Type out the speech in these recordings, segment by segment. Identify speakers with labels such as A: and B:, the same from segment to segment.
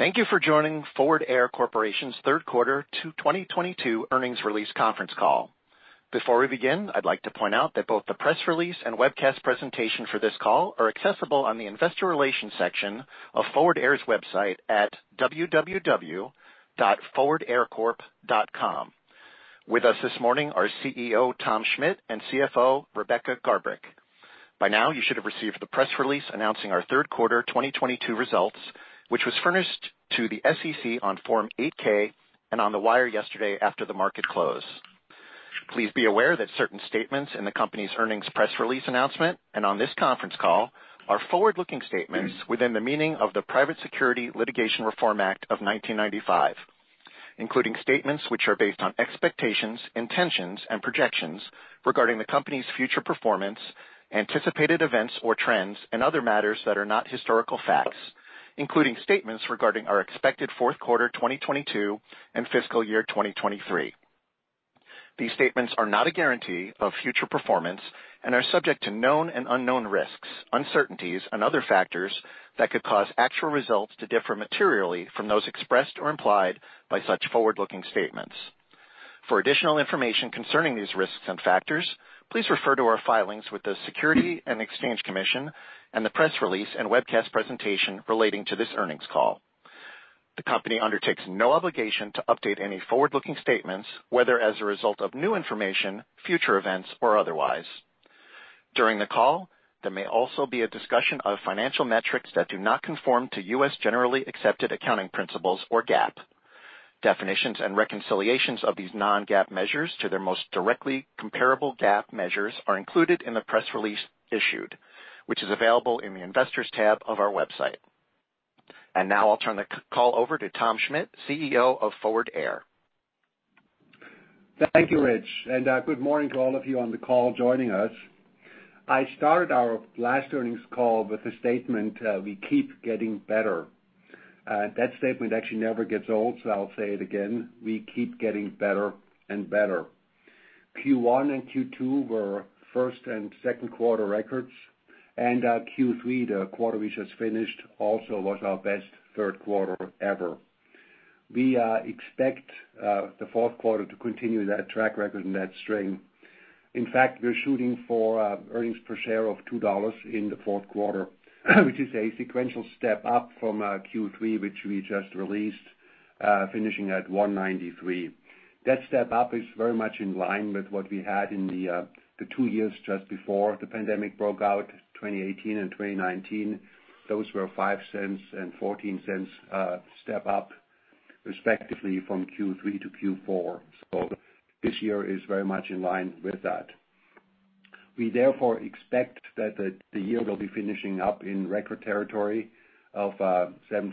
A: Thank you for joining Forward Air Corporation's Third Quarter 2022 Earnings Release Conference Call. Before we begin, I'd like to point out that both the press release and webcast presentation for this call are accessible on the Investor Relations section of Forward Air's website at www.forwardaircorp.com. With us this morning are CEO Tom Schmitt and CFO Rebecca Garbrick. By now, you should have received the press release announcing our third quarter 2022 results, which was furnished to the SEC on Form 8-K and on the wire yesterday after the market close. Please be aware that certain statements in the company's earnings press release announcement and on this conference call are forward-looking statements within the meaning of the Private Securities Litigation Reform Act of 1995, including statements which are based on expectations, intentions, and projections regarding the company's future performance, anticipated events or trends, and other matters that are not historical facts, including statements regarding our expected fourth quarter 2022 and fiscal year 2023. These statements are not a guarantee of future performance and are subject to known and unknown risks, uncertainties and other factors that could cause actual results to differ materially from those expressed or implied by such forward-looking statements. For additional information concerning these risks and factors, please refer to our filings with the Securities and Exchange Commission and the press release and webcast presentation relating to this earnings call. The company undertakes no obligation to update any forward-looking statements, whether as a result of new information, future events, or otherwise. During the call, there may also be a discussion of financial metrics that do not conform to U.S. generally accepted accounting principles, or GAAP. Definitions and reconciliations of these non-GAAP measures to their most directly comparable GAAP measures are included in the press release issued, which is available in the Investors tab of our website. Now I'll turn the call over to Tom Schmitt, CEO of Forward Air.
B: Thank you, Rich, and good morning to all of you on the call joining us. I started our last earnings call with a statement, we keep getting better. That statement actually never gets old, so I'll say it again, we keep getting better and better. Q1 and Q2 were first and second quarter records, and Q3, the quarter we just finished, also was our best third quarter ever. We expect the fourth quarter to continue that track record and that string. In fact, we're shooting for earnings per share of $2 in the fourth quarter, which is a sequential step up from Q3, which we just released, finishing at $1.93. That step up is very much in line with what we had in the two years just before the pandemic broke out, 2018 and 2019. Those were $0.05 and $0.14 step up respectively from Q3 to Q4. This year is very much in line with that. We therefore expect that the year will be finishing up in record territory of $7.50+.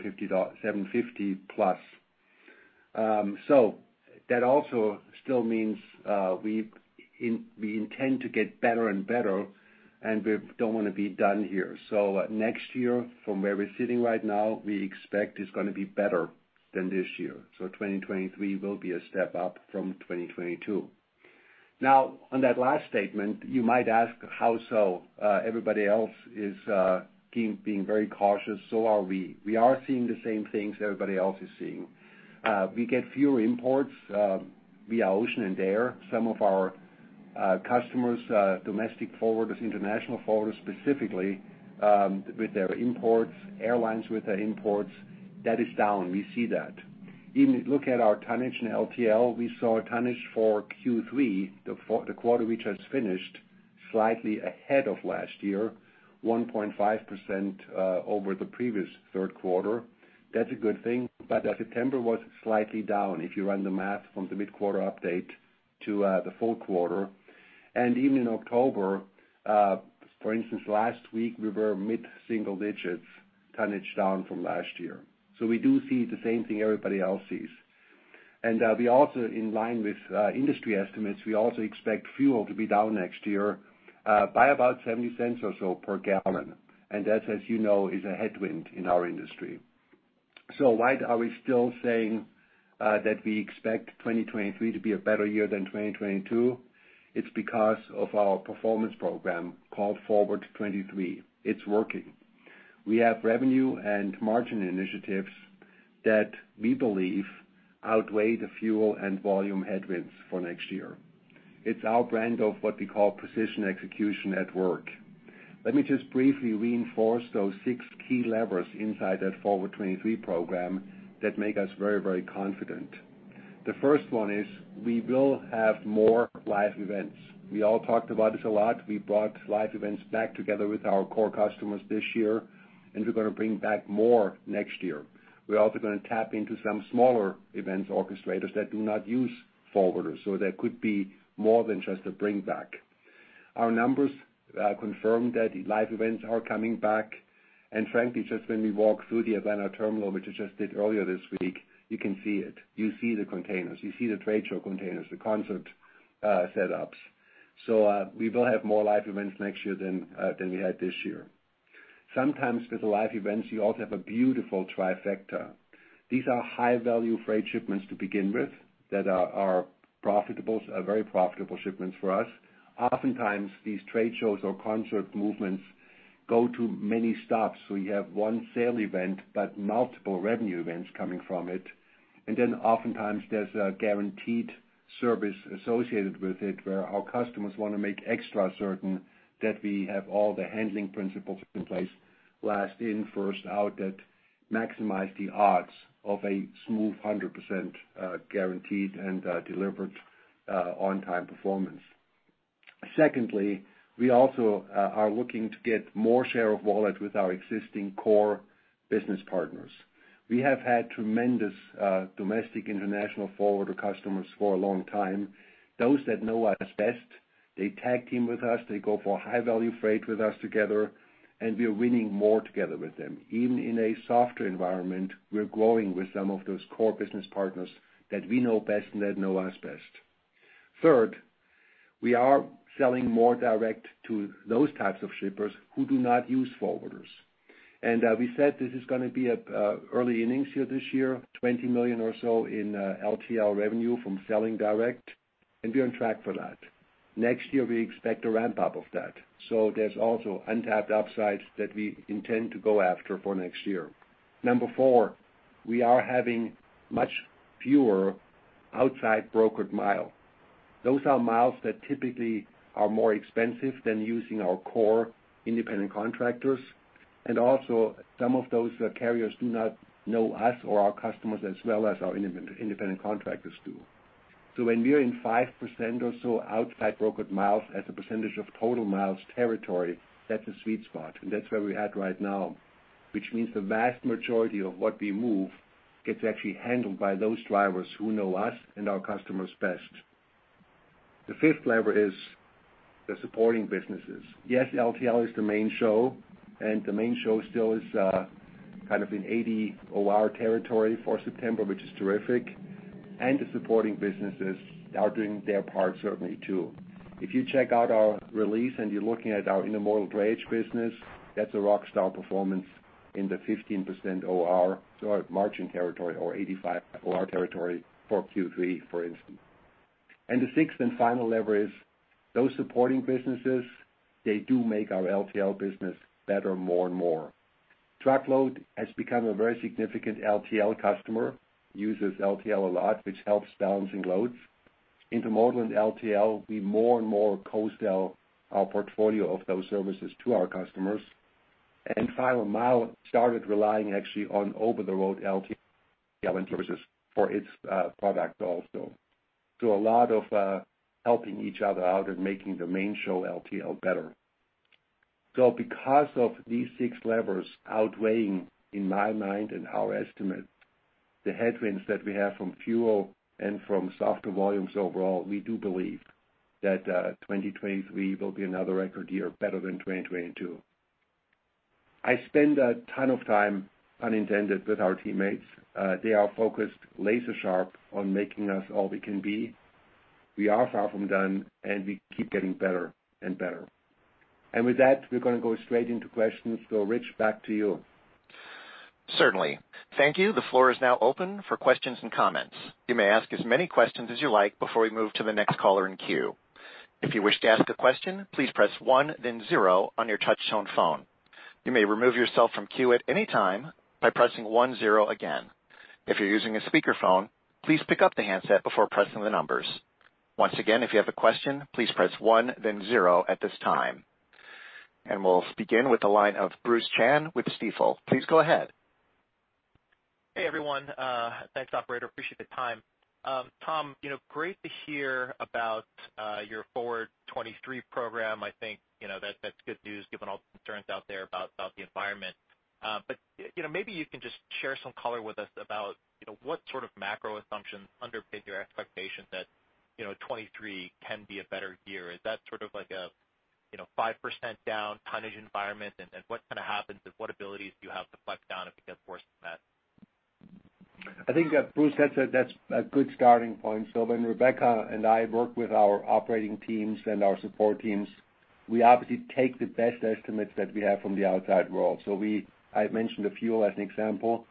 B: That also still means we intend to get better and better, and we don't wanna be done here. Next year, from where we're sitting right now, we expect is gonna be better than this year. 2023 will be a step up from 2022. Now, on that last statement, you might ask how so? Everybody else is keep being very cautious. We are. We are seeing the same things everybody else is seeing. We get fewer imports via ocean and air. Some of our customers, domestic forwarders, international forwarders specifically, with their imports, airlines with their imports, that is down. We see that. Even look at our tonnage in LTL, we saw tonnage for Q3, the quarter we just finished, slightly ahead of last year, 1.5% over the previous third quarter. That's a good thing, but September was slightly down if you run the math from the mid-quarter update to the full quarter. We also in line with industry estimates, we also expect fuel to be down next year by about $0.70 or so per gallon. That, as you know, is a headwind in our industry. Why are we still saying that we expect 2023 to be a better year than 2022? It's because of our performance program called Forward 23. It's working. We have revenue and margin initiatives that we believe outweigh the fuel and volume headwinds for next year. It's our brand of what we call precision execution at work. Let me just briefly reinforce those six key levers inside that Forward 23 program that make us very, very confident. The first one is we will have more live events. We all talked about this a lot. We brought live events back together with our core customers this year, and we're gonna bring back more next year. We're also gonna tap into some smaller events orchestrators that do not use forwarders. That could be more than just a bring back. Our numbers confirm that live events are coming back. Frankly, just when we walk through the Atlanta terminal, which I just did earlier this week, you can see it. You see the containers. You see the trade show containers, the concert setups. We will have more live events next year than we had this year. Sometimes with live events, you also have a beautiful trifecta. These are high value freight shipments to begin with that are profitable, very profitable shipments for us. Oftentimes, these trade shows or concert movements go to many stops. You have one sale event but multiple revenue events coming from it. Oftentimes there's a guaranteed service associated with it where our customers want to make extra certain that we have all the handling principles in place, last in, first out, that maximize the odds of a smooth 100%, guaranteed and delivered, on time performance. Secondly, we also are looking to get more share of wallet with our existing core business partners. We have had tremendous domestic international forwarder customers for a long time. Those that know us best, they tag team with us. They go for high value freight with us together, and we are winning more together with them. Even in a softer environment, we're growing with some of those core business partners that we know best and that know us best. Third, we are selling more direct to those types of shippers who do not use forwarders. We said this is gonna be a early innings here this year, $20 million or so in LTL revenue from selling direct, and we're on track for that. Next year, we expect a ramp up of that. There's also untapped upsides that we intend to go after for next year. Number four, we are having much fewer outside brokered miles. Those are miles that typically are more expensive than using our core independent contractors. Also some of those carriers do not know us or our customers as well as our independent contractors do. When we're in 5% or so outside brokered miles as a percentage of total miles territory, that's a sweet spot, and that's where we're at right now, which means the vast majority of what we move gets actually handled by those drivers who know us and our customers best. The fifth lever is the supporting businesses. Yes, LTL is the main show, and the main show still is, kind of in 80 OR territory for September, which is terrific. The supporting businesses are doing their part certainly too. If you check out our release and you're looking at our intermodal drayage business, that's a rock star performance in the 15% OR, or margin territory or 85 OR territory for Q3, for instance. The sixth and final lever is those supporting businesses, they do make our LTL business better more and more. Truckload has become a very significant LTL customer, uses LTL a lot, which helps balancing loads. Intermodal and LTL, we more and more co-sell our portfolio of those services to our customers. Final mile started relying actually on over the road LTL services for its, product also. A lot of helping each other out and making the main show LTL better. Because of these six levers outweighing in my mind and our estimate the headwinds that we have from fuel and from softer volumes overall, we do believe that 2023 will be another record year better than 2022. I spend a ton of time in tandem with our teammates. They are focused laser sharp on making us all we can be. We are far from done, and we keep getting better and better. With that, we're gonna go straight into questions. Rich, back to you.
A: Certainly. Thank you. The floor is now open for questions and comments. You may ask as many questions as you like before we move to the next caller in queue. If you wish to ask a question, please press one then zero on your touch tone phone. You may remove yourself from queue at any time by pressing one zero again. If you're using a speakerphone, please pick up the handset before pressing the numbers. Once again, if you have a question, please press one then zero at this time. We'll begin with the line of Bruce Chan with Stifel. Please go ahead.
C: Hey, everyone. Thanks, operator. Appreciate the time. Tom, you know, great to hear about your Forward 23 program. I think, you know, that's good news given all the concerns out there about the environment. You know, maybe you can just share some color with us about what sort of macro assumptions underpin your expectation that 2023 can be a better year. Is that sort of like a 5% down tonnage environment? What kind of happens and what abilities do you have to flex down if it gets worse than that?
B: I think that Bruce, that's a good starting point. When Rebecca and I work with our operating teams and our support teams, we obviously take the best estimates that we have from the outside world. I mentioned the fuel as an example.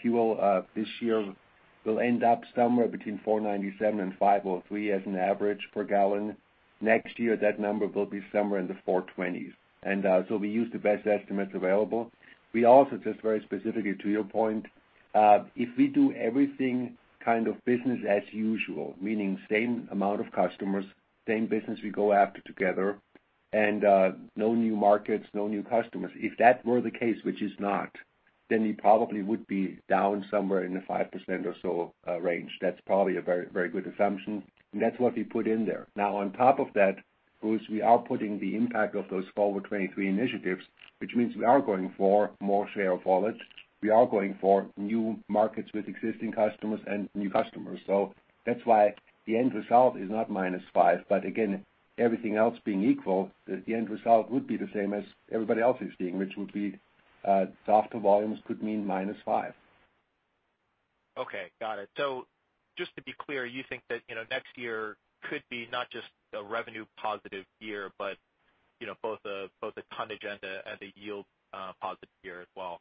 B: Fuel, this year will end up somewhere between $4.97 and $5.03 as an average per gallon. Next year, that number will be somewhere in the $4.20s. We use the best estimates available. We also, just very specifically to your point, if we do everything kind of business as usual, meaning same amount of customers, same business we go after together, and no new markets, no new customers, if that were the case, which is not, then we probably would be down somewhere in the 5% or so range. That's probably a very, very good assumption, and that's what we put in there. Now on top of that, Bruce, we are putting the impact of those Forward 23 initiatives, which means we are going for more share of wallet. We are going for new markets with existing customers and new customers. That's why the end result is not -5%. Again, everything else being equal, the end result would be the same as everybody else is seeing, which would be softer volumes could mean -5%.
C: Okay. Got it. Just to be clear, you think that, you know, next year could be not just a revenue positive year, but you know, both the tonnage and the yield positive here as well.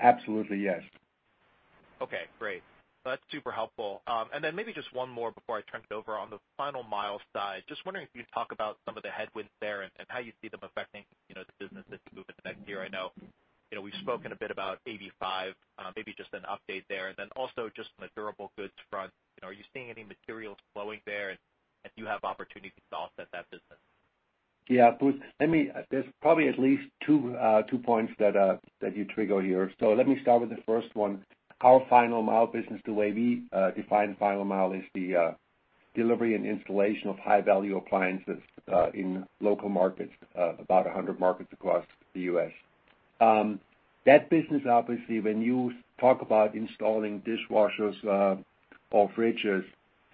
B: Absolutely, yes.
C: Okay, great. That's super helpful. And then maybe just one more before I turn it over. On the final mile side, just wondering if you'd talk about some of the headwinds there and how you see them affecting, you know, the business as you move into next year. I know, you know, we've spoken a bit about AB5, maybe just an update there. And then also just from a durable goods front, you know, are you seeing any materials flowing there? And if you have opportunities to offset that business.
B: Yeah, Bruce, there's probably at least two points that you trigger here. Let me start with the first one. Our final mile business, the way we define final mile is the delivery and installation of high-value appliances in local markets, about 100 markets across the U.S. That business, obviously, when you talk about installing dishwashers or fridges,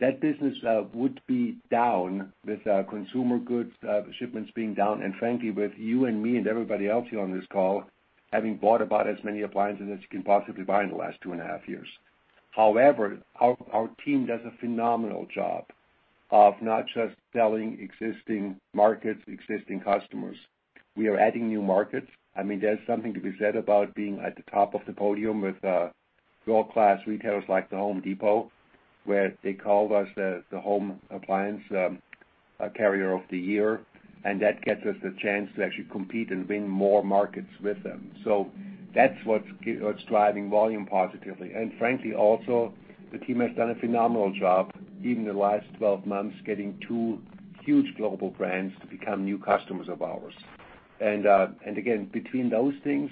B: that business would be down with our consumer goods shipments being down. Frankly, with you and me and everybody else here on this call having bought about as many appliances as you can possibly buy in the last 2.5 years. However, our team does a phenomenal job of not just selling existing markets, existing customers. We are adding new markets. I mean, there's something to be said about being at the top of the podium with world-class retailers like The Home Depot, where they called us the home appliance carrier of the year. That gets us the chance to actually compete and win more markets with them. That's what's driving volume positively. Frankly, also, the team has done a phenomenal job, even in the last 12 months, getting two huge global brands to become new customers of ours. Again, between those things,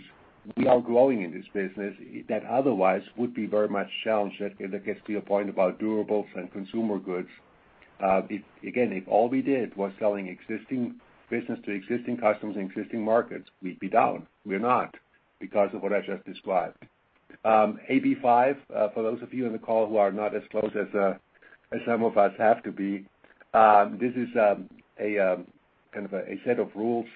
B: we are growing in this business that otherwise would be very much challenged. That gets to your point about durables and consumer goods. If, again, if all we did was selling existing business to existing customers in existing markets, we'd be down. We're not because of what I just described. AB5, for those of you on the call who are not as close as some of us have to be, this is a kind of a set of rules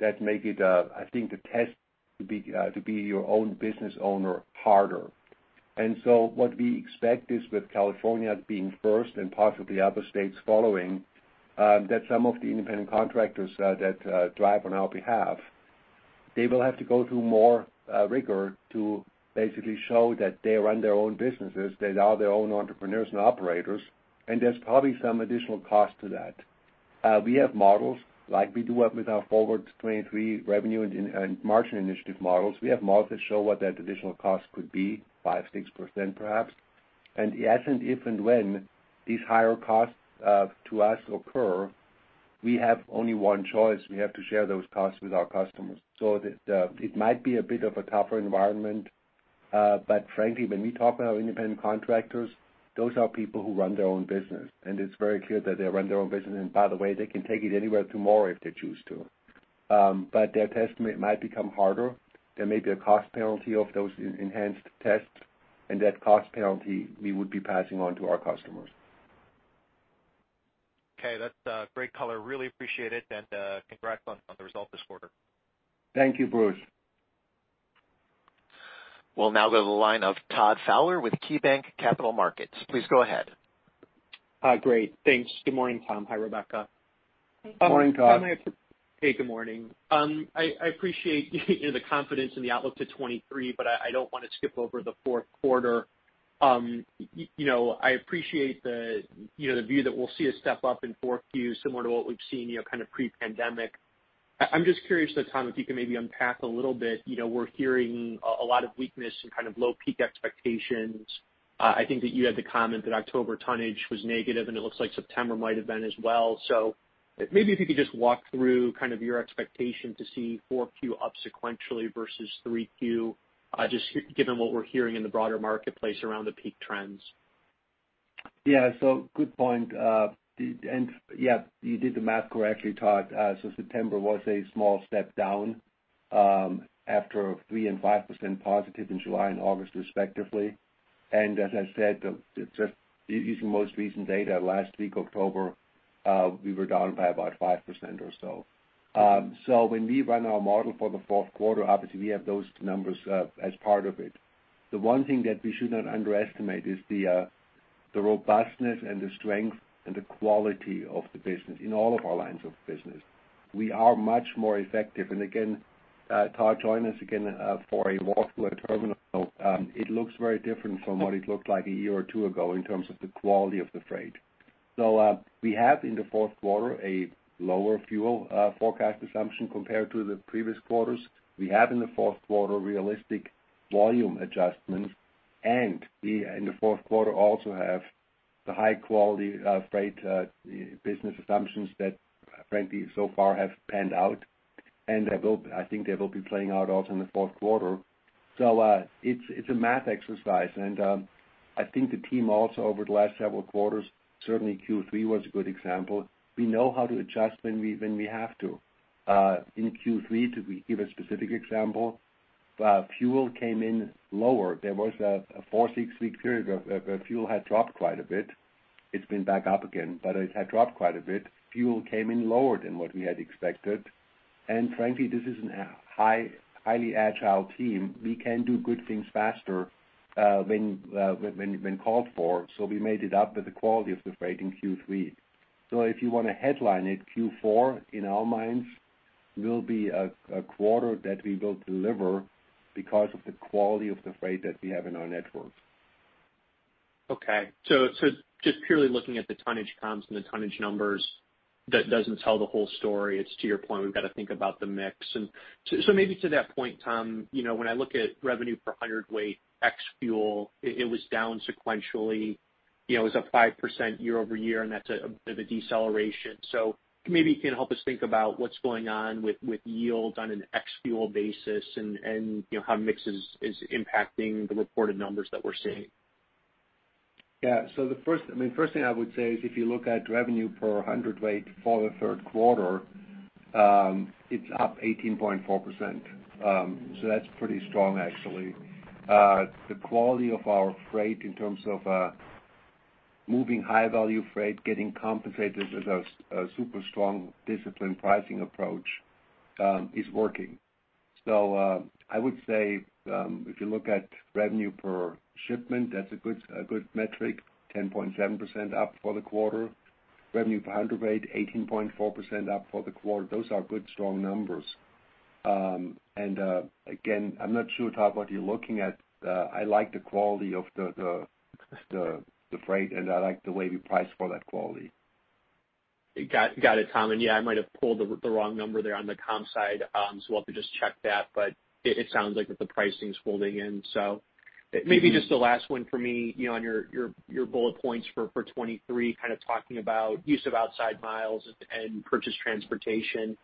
B: that make it, I think the test to be your own business owner harder. What we expect is with California being first and possibly other states following, that some of the independent contractors that drive on our behalf, they will have to go through more rigor to basically show that they run their own businesses, they are their own entrepreneurs and operators, and there's probably some additional cost to that. We have models like we do with our Forward 23 revenue and margin initiative models. We have models that show what that additional cost could be, 5%-6% perhaps. As if and when these higher costs to us occur, we have only one choice. We have to share those costs with our customers. It might be a bit of a tougher environment. Frankly, when we talk about independent contractors, those are people who run their own business, and it's very clear that they run their own business. By the way, they can take it anywhere tomorrow if they choose to. Their tests might become harder. There may be a cost penalty of those enhanced tests, and that cost penalty we would be passing on to our customers.
C: Okay. That's great color. Really appreciate it, and congrats on the result this quarter.
B: Thank you, Bruce.
A: We'll now go to the line of Todd Fowler with KeyBanc Capital Markets. Please go ahead.
D: Hi. Great. Thanks. Good morning, Tom. Hi, Rebecca.
B: Morning, Todd.
D: Hey, good morning. I appreciate, you know, the confidence in the outlook to 2023, but I don't wanna skip over the fourth quarter. You know, I appreciate the, you know, the view that we'll see a step up in Q4 similar to what we've seen, you know, kind of pre-pandemic. I'm just curious, though, Tom, if you can maybe unpack a little bit. You know, we're hearing a lot of weakness and kind of low peak expectations. I think that you had the comment that October tonnage was negative, and it looks like September might have been as well. Maybe if you could just walk through kind of your expectation to see Q4 up sequentially versus Q3, just given what we're hearing in the broader marketplace around the peak trends.
B: Yeah. Good point. You did the math correctly, Todd. September was a small step down after 3% and 5% positive in July and August respectively. As I said, just using most recent data, last week, October, we were down by about 5% or so. When we run our model for the fourth quarter, obviously we have those numbers as part of it. The one thing that we should not underestimate is the robustness and the strength and the quality of the business in all of our lines of business. We are much more effective. Again, Todd, join us again for a walk through a terminal. It looks very different from what it looked like a year or two ago in terms of the quality of the freight. We have in the fourth quarter a lower fuel forecast assumption compared to the previous quarters. We have in the fourth quarter realistic volume adjustments, and we in the fourth quarter also have the high quality of freight business assumptions that frankly so far have panned out. They will. I think they will be playing out also in the fourth quarter. It's a math exercise. I think the team also over the last several quarters, certainly Q3 was a good example. We know how to adjust when we have to. In Q3, to give a specific example, fuel came in lower. There was a four-six week period where fuel had dropped quite a bit. It's been back up again, but it had dropped quite a bit. Fuel came in lower than what we had expected. Frankly, this is a highly agile team. We can do good things faster when called for. We made it up with the quality of the freight in Q3. If you want to headline it, Q4, in our minds, will be a quarter that we will deliver because of the quality of the freight that we have in our network.
D: Okay. Just purely looking at the tonnage comps and the tonnage numbers, that doesn't tell the whole story. It's to your point, we've got to think about the mix. Maybe to that point, Tom, you know, when I look at revenue per hundredweight ex fuel, it was down sequentially. You know, it was up 5% year-over-year, and that's a bit of a deceleration. Maybe you can help us think about what's going on with yield on an ex fuel basis and, you know, how mix is impacting the reported numbers that we're seeing.
B: First thing I would say is if you look at revenue per hundredweight for the third quarter, it's up 18.4%. That's pretty strong actually. The quality of our freight in terms of moving high value freight, getting compensated with a super strong disciplined pricing approach, is working. I would say if you look at revenue per shipment, that's a good metric, 10.7% up for the quarter. Revenue per hundredweight, 18.4% up for the quarter. Those are good, strong numbers. Again, I'm not sure, Todd, what you're looking at. I like the quality of the freight, and I like the way we price for that quality.
D: Got it, Tom. Yeah, I might have pulled the wrong number there on the comp side, so we'll have to just check that. It sounds like that the pricing's holding in. Maybe just the last one for me, you know, on your bullet points for 2023, kind of talking about use of outside miles and purchased transportation.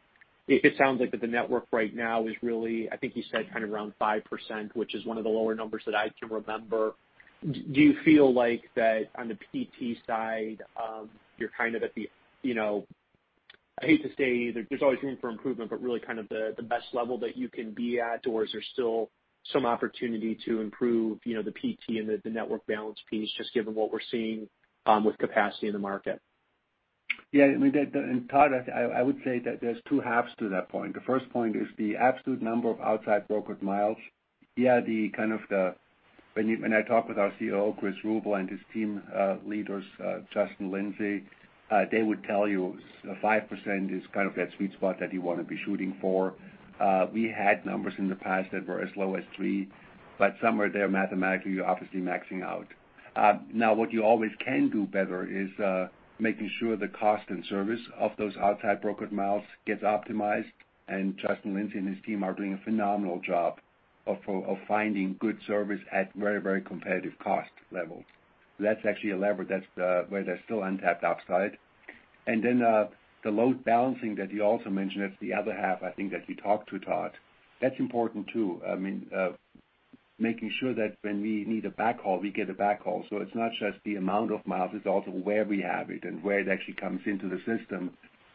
D: It sounds like that the network right now is really, I think you said kind of around 5%, which is one of the lower numbers that I can remember. Do you feel like that on the PT side, you're kind of at the, you know, I hate to say there's always room for improvement, but really kind of the best level that you can be at, or is there still some opportunity to improve, you know, the PT and the network balance piece, just given what we're seeing with capacity in the market?
B: I mean, Todd, I would say that there's two halves to that point. The first point is the absolute number of outside brokered miles. When I talk with our COO, Chris Ruble, and his team leaders, Justin Lindsay, they would tell you 5% is kind of that sweet spot that you wanna be shooting for. We had numbers in the past that were as low as 3%, but somewhere there mathematically, you're obviously maxing out. Now what you always can do better is making sure the cost and service of those outside brokered miles gets optimized. Justin Lindsay and his team are doing a phenomenal job of finding good service at very, very competitive cost levels. That's actually a lever. That's where there's still untapped upside. The load balancing that you also mentioned, that's the other half I think that we talked to, Todd. That's important too. I mean, making sure that when we need a backhaul, we get a backhaul. It's not just the amount of miles, it's also where we have it and where it actually comes into the system,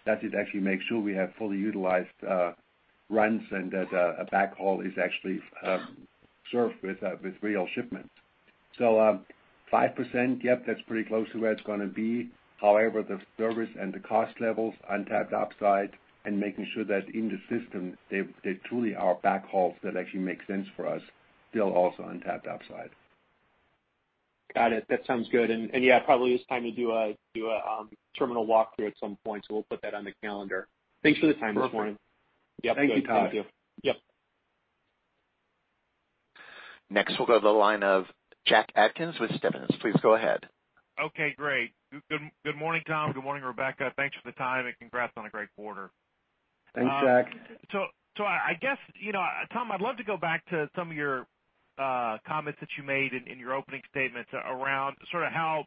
B: that it actually makes sure we have fully utilized runs and that a backhaul is actually served with real shipments. 5%, yep, that's pretty close to where it's gonna be. However, the service and the cost levels, untapped upside, and making sure that in the system there truly are backhauls that actually make sense for us, still also untapped upside.
D: Got it. That sounds good. Yeah, probably it's time to do a terminal walkthrough at some point, so we'll put that on the calendar. Thanks for the time this morning.
B: Perfect. Thank you, Todd.
D: Yep. Thank you. Yep.
A: Next, we'll go to the line of Jack Atkins with Stephens. Please go ahead.
E: Okay, great. Good morning, Tom. Good morning, Rebecca. Thanks for the time, and congrats on a great quarter.
B: Thanks, Jack.
E: I guess, you know, Tom, I'd love to go back to some of your comments that you made in your opening statement around sort of how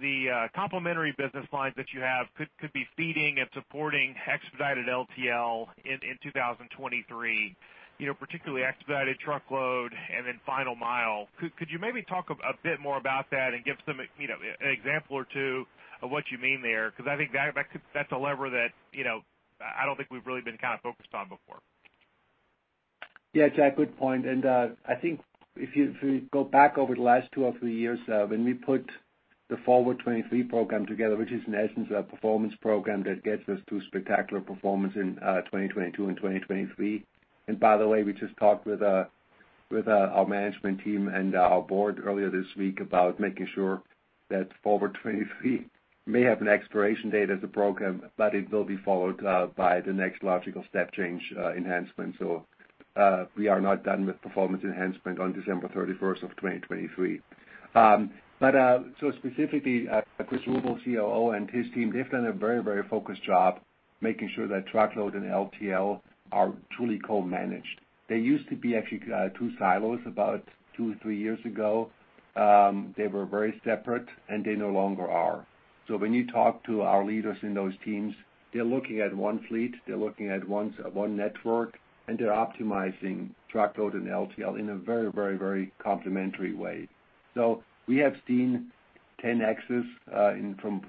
E: the complementary business lines that you have could be feeding and supporting expedited LTL in 2023. You know, particularly expedited truckload and then final mile. Could you maybe talk a bit more about that and give some, you know, an example or two of what you mean there? 'Cause I think that could. That's a lever that, you know, I don't think we've really been kind of focused on before.
B: Yeah, Jack, good point. I think if you go back over the last two or three years, when we put the Forward 23 program together, which is in essence a performance program that gets us to spectacular performance in 2022 and 2023. By the way, we just talked with our management team and our board earlier this week about making sure that Forward 23 may have an expiration date as a program, but it will be followed by the next logical step change enhancement. We are not done with performance enhancement on December 31st of 2023. Specifically, Chris Ruble, COO, and his team, they've done a very, very focused job making sure that truckload and LTL are truly co-managed. They used to be actually two silos about two-three years ago. They were very separate, and they no longer are. When you talk to our leaders in those teams, they're looking at one fleet, they're looking at one network, and they're optimizing truckload and LTL in a very complementary way. We have seen 10x from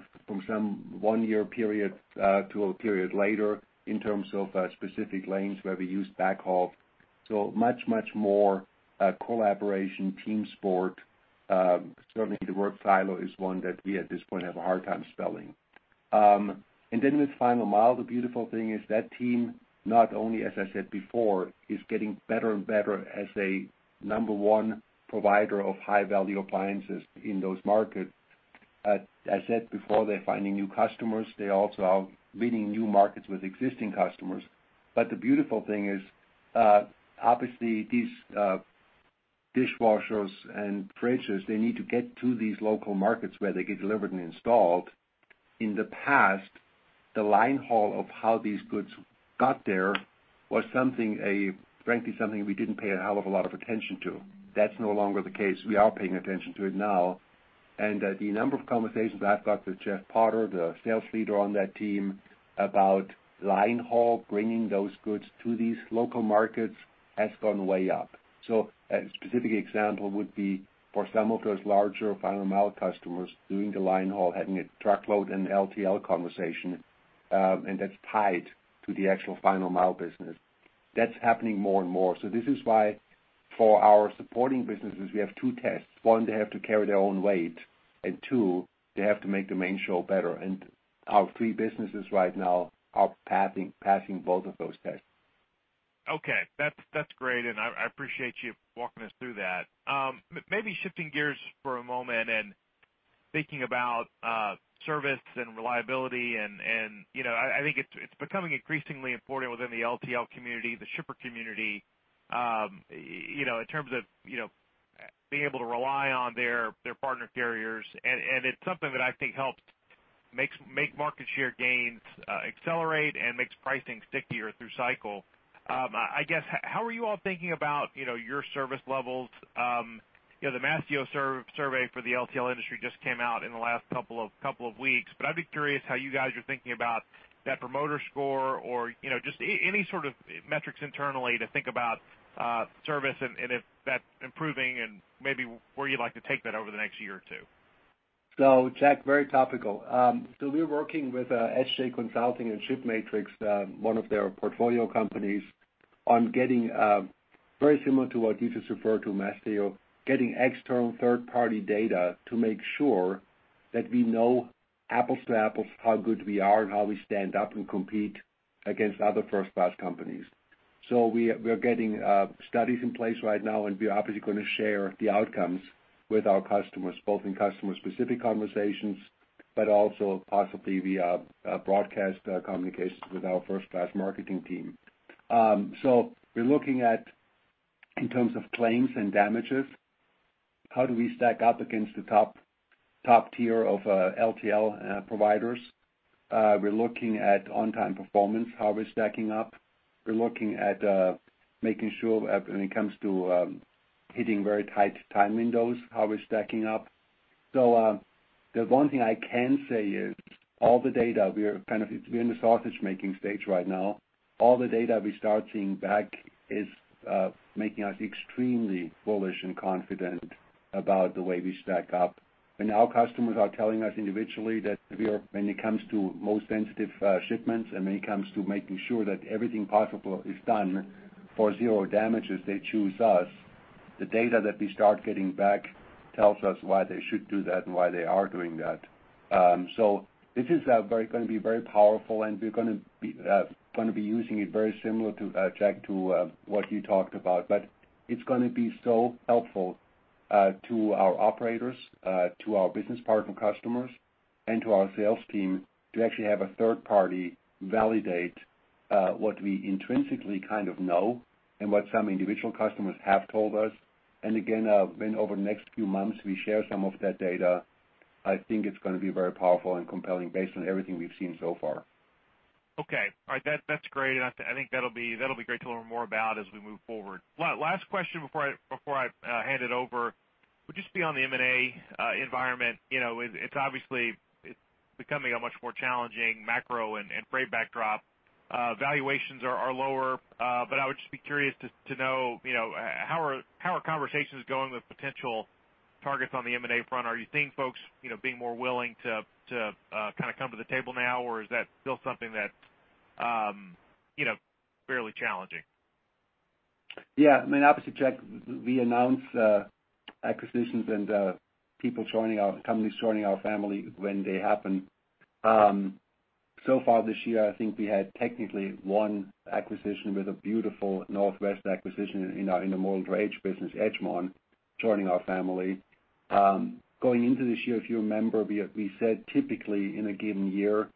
B: some one-year period to a period later in terms of specific lanes where we use backhaul. Much more collaboration, team sport. Certainly the word silo is one that we at this point have a hard time spelling. Then with final mile, the beautiful thing is that team not only, as I said before, is getting better and better as a number one provider of high value appliances in those markets. I said before, they're finding new customers. They also are winning new markets with existing customers. The beautiful thing is, obviously these dishwashers and fridges, they need to get to these local markets where they get delivered and installed. In the past, the line haul of how these goods got there was something frankly, something we didn't pay a hell of a lot of attention to. That's no longer the case. We are paying attention to it now. The number of conversations I've got with Jeff Potter, the sales leader on that team, about line haul, bringing those goods to these local markets has gone way up. A specific example would be for some of those larger final mile customers doing the line haul, having a truckload and LTL conversation, and that's tied to the actual final mile business. That's happening more and more. This is why for our supporting businesses, we have two tests. One, they have to carry their own weight, and two, they have to make the main show better. Our three businesses right now are passing both of those tests.
E: Okay. That's great, and I appreciate you walking us through that. Maybe shifting gears for a moment and thinking about service and reliability and you know, I think it's becoming increasingly important within the LTL community, the shipper community, you know, in terms of, you know, being able to rely on their partner carriers. It's something that I think helps make market share gains accelerate and makes pricing stickier through cycle. I guess, how are you all thinking about, you know, your service levels? You know, the Mastio Survey for the LTL industry just came out in the last couple of weeks, but I'd be curious how you guys are thinking about that promoter score or, you know, just any sort of metrics internally to think about service and if that's improving and maybe where you'd like to take that over the next year or two.
B: Jack, very topical. We're working with SJ Consulting and ShipMatrix, one of their portfolio companies, on getting very similar to what you just referred to, Mastio, getting external third party data to make sure that we know apples to apples how good we are and how we stand up and compete against other first-class companies. We are getting studies in place right now, and we are obviously going to share the outcomes with our customers, both in customer specific conversations, but also possibly via broadcast communications with our first class marketing team. We're looking at, in terms of claims and damages, how do we stack up against the top tier of LTL providers? We're looking at on time performance, how we're stacking up. We're looking at making sure when it comes to hitting very tight time windows, how we're stacking up. The one thing I can say is all the data, we're kind of in the sausage making stage right now. All the data we start seeing back is making us extremely bullish and confident about the way we stack up. Our customers are telling us individually that we are, when it comes to most sensitive shipments, and when it comes to making sure that everything possible is done for zero damages, they choose us. The data that we start getting back tells us why they should do that and why they are doing that. This is gonna be very powerful, and we're gonna be using it very similar to Jack, to what you talked about. It's gonna be so helpful to our operators to our business partner customers, and to our sales team to actually have a third party validate what we intrinsically kind of know and what some individual customers have told us. again, when over the next few months we share some of that data, I think it's gonna be very powerful and compelling based on everything we've seen so far.
E: Okay. All right. That's great. I think that'll be great to learn more about as we move forward. Last question before I hand it over, would you just be on the M&A environment? It's obviously becoming a much more challenging macro and freight backdrop. Valuations are lower. But I would just be curious to know how conversations are going with potential targets on the M&A front? Are you seeing folks being more willing to kind of come to the table now, or is that still something that fairly challenging?
B: Yeah. I mean, obviously, Jack, we announce acquisitions and companies joining our family when they happen. So far this year, I think we had technically one acquisition with a beautiful Northwest acquisition in our intermodal business, Edgmon joining our family. Going into this year, if you remember, we said typically in a given year,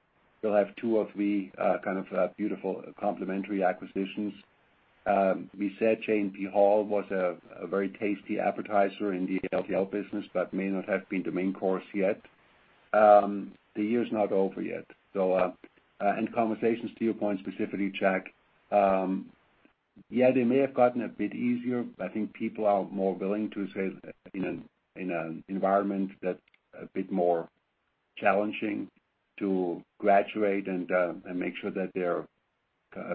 B: we'll have two of the kind of beautiful complementary acquisitions. We said J&P Hall was a very tasty appetizer in the LTL business, but may not have been the main course yet. The year's not over yet. And conversations to your point specifically, Jack, yeah, they may have gotten a bit easier. I think people are more willing to say in an environment that's a bit more challenging to graduate and make sure that their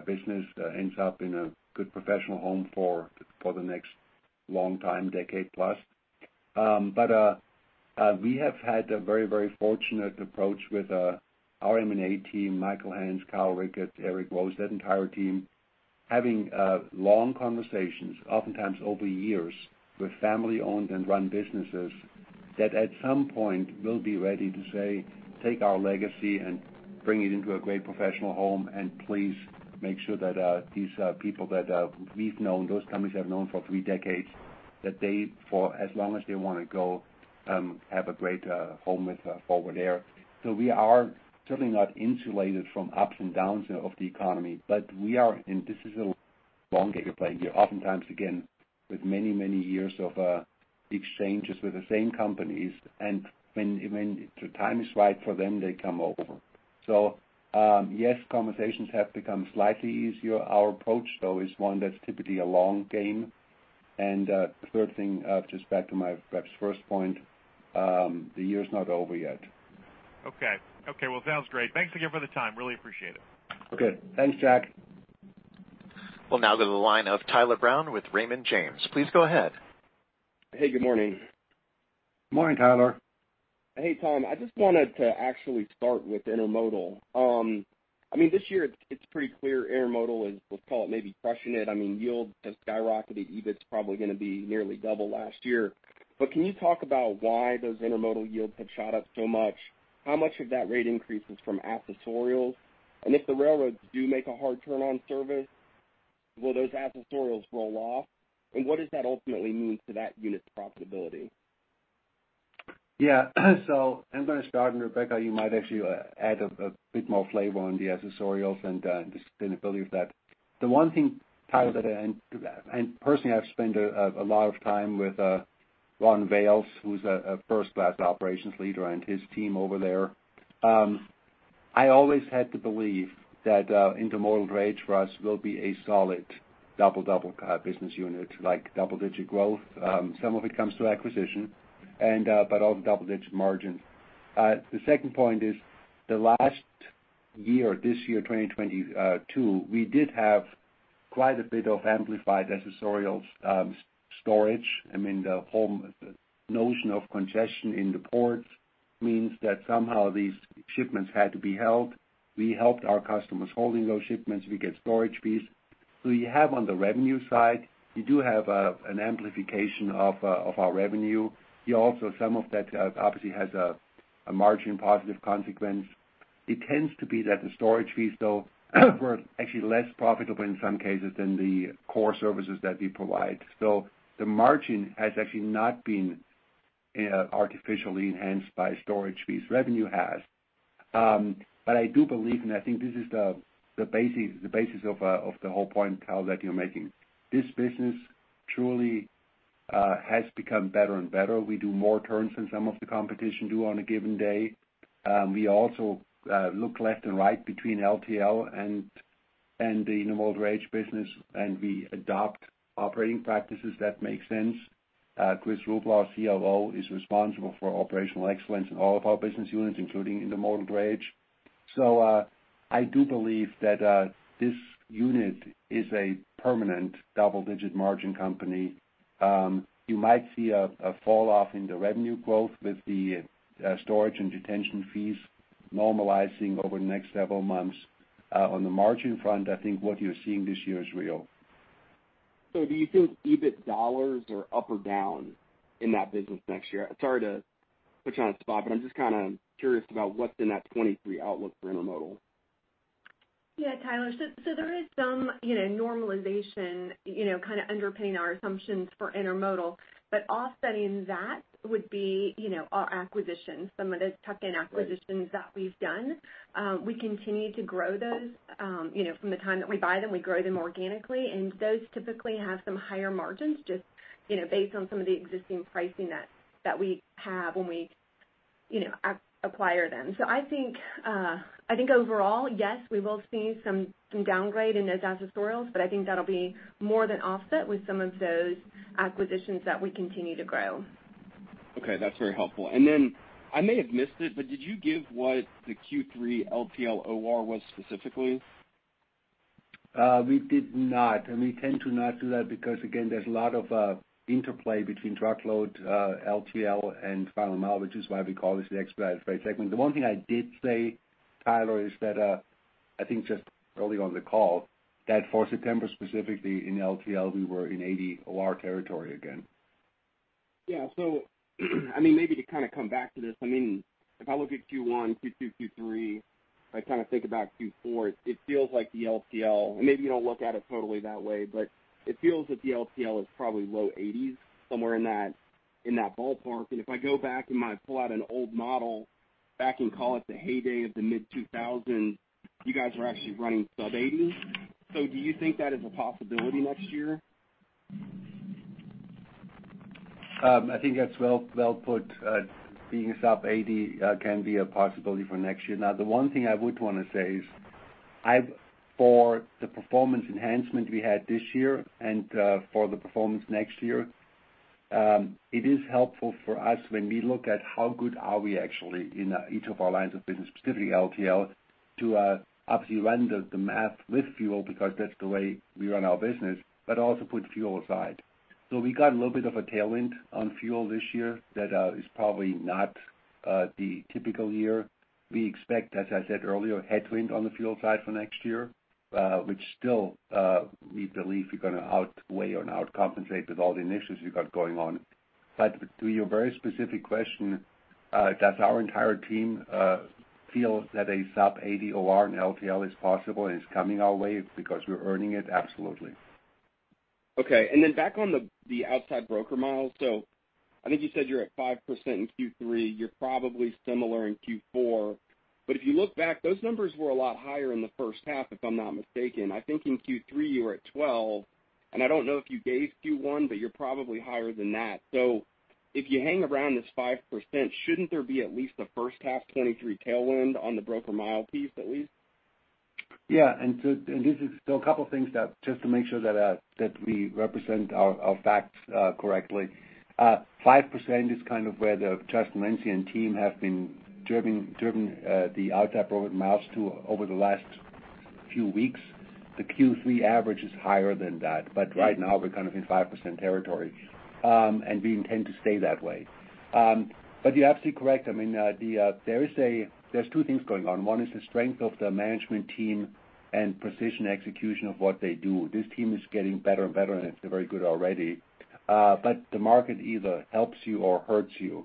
B: business ends up in a good professional home for the next long time, decade plus. We have had a very, very fortunate approach with our M&A team, Michael Hance, Kyle Rickert, Eric Rose, that entire team, having long conversations, oftentimes over years, with family-owned and -run businesses that at some point will be ready to say, "Take our legacy and bring it into a great professional home, and please make sure that these people that we've known, those companies I've known for three decades, that they, for as long as they wanna go, have a great home with Forward Air." We are certainly not insulated from ups and downs of the economy, but we are, and this is a long game you're playing here, oftentimes, again, with many, many years of exchanges with the same companies. When the time is right for them, they come over. Yes, conversations have become slightly easier. Our approach, though, is one that's typically a long game. The third thing, just back to my perhaps first point, the year's not over yet.
E: Okay, well, sounds great. Thanks again for the time. Really appreciate it.
B: Okay. Thanks, Jack.
A: We'll now go to the line of Tyler Brown with Raymond James. Please go ahead.
F: Hey, good morning.
B: Morning, Tyler.
F: Hey, Tom. I just wanted to actually start with intermodal. I mean, this year it's pretty clear intermodal is, let's call it maybe crushing it. I mean, yield has skyrocketed. EBIT's probably gonna be nearly double last year. Can you talk about why those intermodal yields have shot up so much? How much of that rate increase is from accessorials? And if the railroads do make a hard turn on service, will those accessorials roll off? And what does that ultimately mean to that unit's profitability?
B: I'm gonna start, and Rebecca, you might actually add a bit more flavor on the accessorials and the sustainability of that. The one thing, Tyler, that personally I've spent a lot of time with Ron Vales, who's a first-class operations leader, and his team over there. I always had the belief that intermodal drayage for us will be a solid double-double business unit, like double-digit growth. Some of it comes through acquisition and but all the double-digit margin. The second point is last year, this year, 2022, we did have quite a bit of amplified accessorial storage. I mean, the whole notion of congestion in the ports means that somehow these shipments had to be held. We helped our customers holding those shipments. We get storage fees. You have on the revenue side, you do have an amplification of our revenue. You also, some of that, obviously has a margin positive consequence. It tends to be that the storage fees, though, were actually less profitable in some cases than the core services that we provide. The margin has actually not been artificially enhanced by storage fees. Revenue has. I do believe, and I think this is the basis of the whole point, Tyler, that you're making. This business truly has become better and better. We do more turns than some of the competition do on a given day. We also look left and right between LTL and the intermodal drayage business, and we adopt operating practices that make sense. Chris Ruble, our COO, is responsible for operational excellence in all of our business units, including intermodal drayage. I do believe that this unit is a permanent double-digit margin company. You might see a falloff in the revenue growth with the storage and detention fees normalizing over the next several months. On the margin front, I think what you're seeing this year is real.
F: Do you feel EBIT dollars are up or down in that business next year? Sorry to put you on the spot, but I'm just kinda curious about what's in that 2023 outlook for intermodal.
G: Yeah, Tyler. There is some, you know, normalization, you know, kind of underpinning our assumptions for intermodal, but offsetting that would be, you know, our acquisitions, some of the tuck-in acquisitions that we've done. We continue to grow those. You know, from the time that we buy them, we grow them organically, and those typically have some higher margins just, you know, based on some of the existing pricing that we have when we, you know, acquire them. I think overall, yes, we will see some downgrade in those accessorial, but I think that'll be more than offset with some of those acquisitions that we continue to grow.
F: Okay, that's very helpful. I may have missed it, but did you give what the Q3 LTL OR was specifically?
B: We did not, and we tend not to do that because, again, there's a lot of interplay between truckload, LTL, and final mile, which is why we call this the expedited freight segment. The one thing I did say, Tyler, is that I think just early on the call, that for September, specifically in LTL, we were in 80 OR territory again.
F: Yeah. I mean, maybe to kind of come back to this, I mean, if I look at Q1, Q2, Q3, I kind of think about Q4, it feels like the LTL, and maybe you don't look at it totally that way, but it feels that the LTL is probably low 80s%, somewhere in that, in that ballpark. If I go back and might pull out an old model back in, call it the heyday of the mid-2000s, you guys were actually running sub-80. Do you think that is a possibility next year?
B: I think that's well put. Being sub-80 can be a possibility for next year. Now, the one thing I would wanna say is for the performance enhancement we had this year and for the performance next year, it is helpful for us when we look at how good are we actually in each of our lines of business, specifically LTL, to obviously run the math with fuel because that's the way we run our business, but also put fuel aside. We got a little bit of a tailwind on fuel this year that is probably not the typical year. We expect, as I said earlier, a headwind on the fuel side for next year, which still we believe we're gonna outweigh or not compensate with all the initiatives we got going on. To your very specific question, does our entire team feel that a sub-80 OR in LTL is possible and is coming our way because we're earning it? Absolutely.
F: Okay. Then back on the outside broker miles. I think you said you're at 5% in Q3. You're probably similar in Q4. If you look back, those numbers were a lot higher in the first half, if I'm not mistaken. I think in Q3 you were at 12%. I don't know if you gave Q1, but you're probably higher than that. If you hang around this 5%, shouldn't there be at least a first half 2023 tailwind on the broker mile piece at least?
B: Yeah. This is still a couple things, just to make sure that we represent our facts correctly. 5% is kind of where the Justin Lindsay and team have been driven the outside broker miles to over the last few weeks. The Q3 average is higher than that, but right now we're kind of in 5% territory. We intend to stay that way. You're absolutely correct. I mean, there are two things going on. One is the strength of the management team and precision execution of what they do. This team is getting better and better, and it's very good already. The market either helps you or hurts you.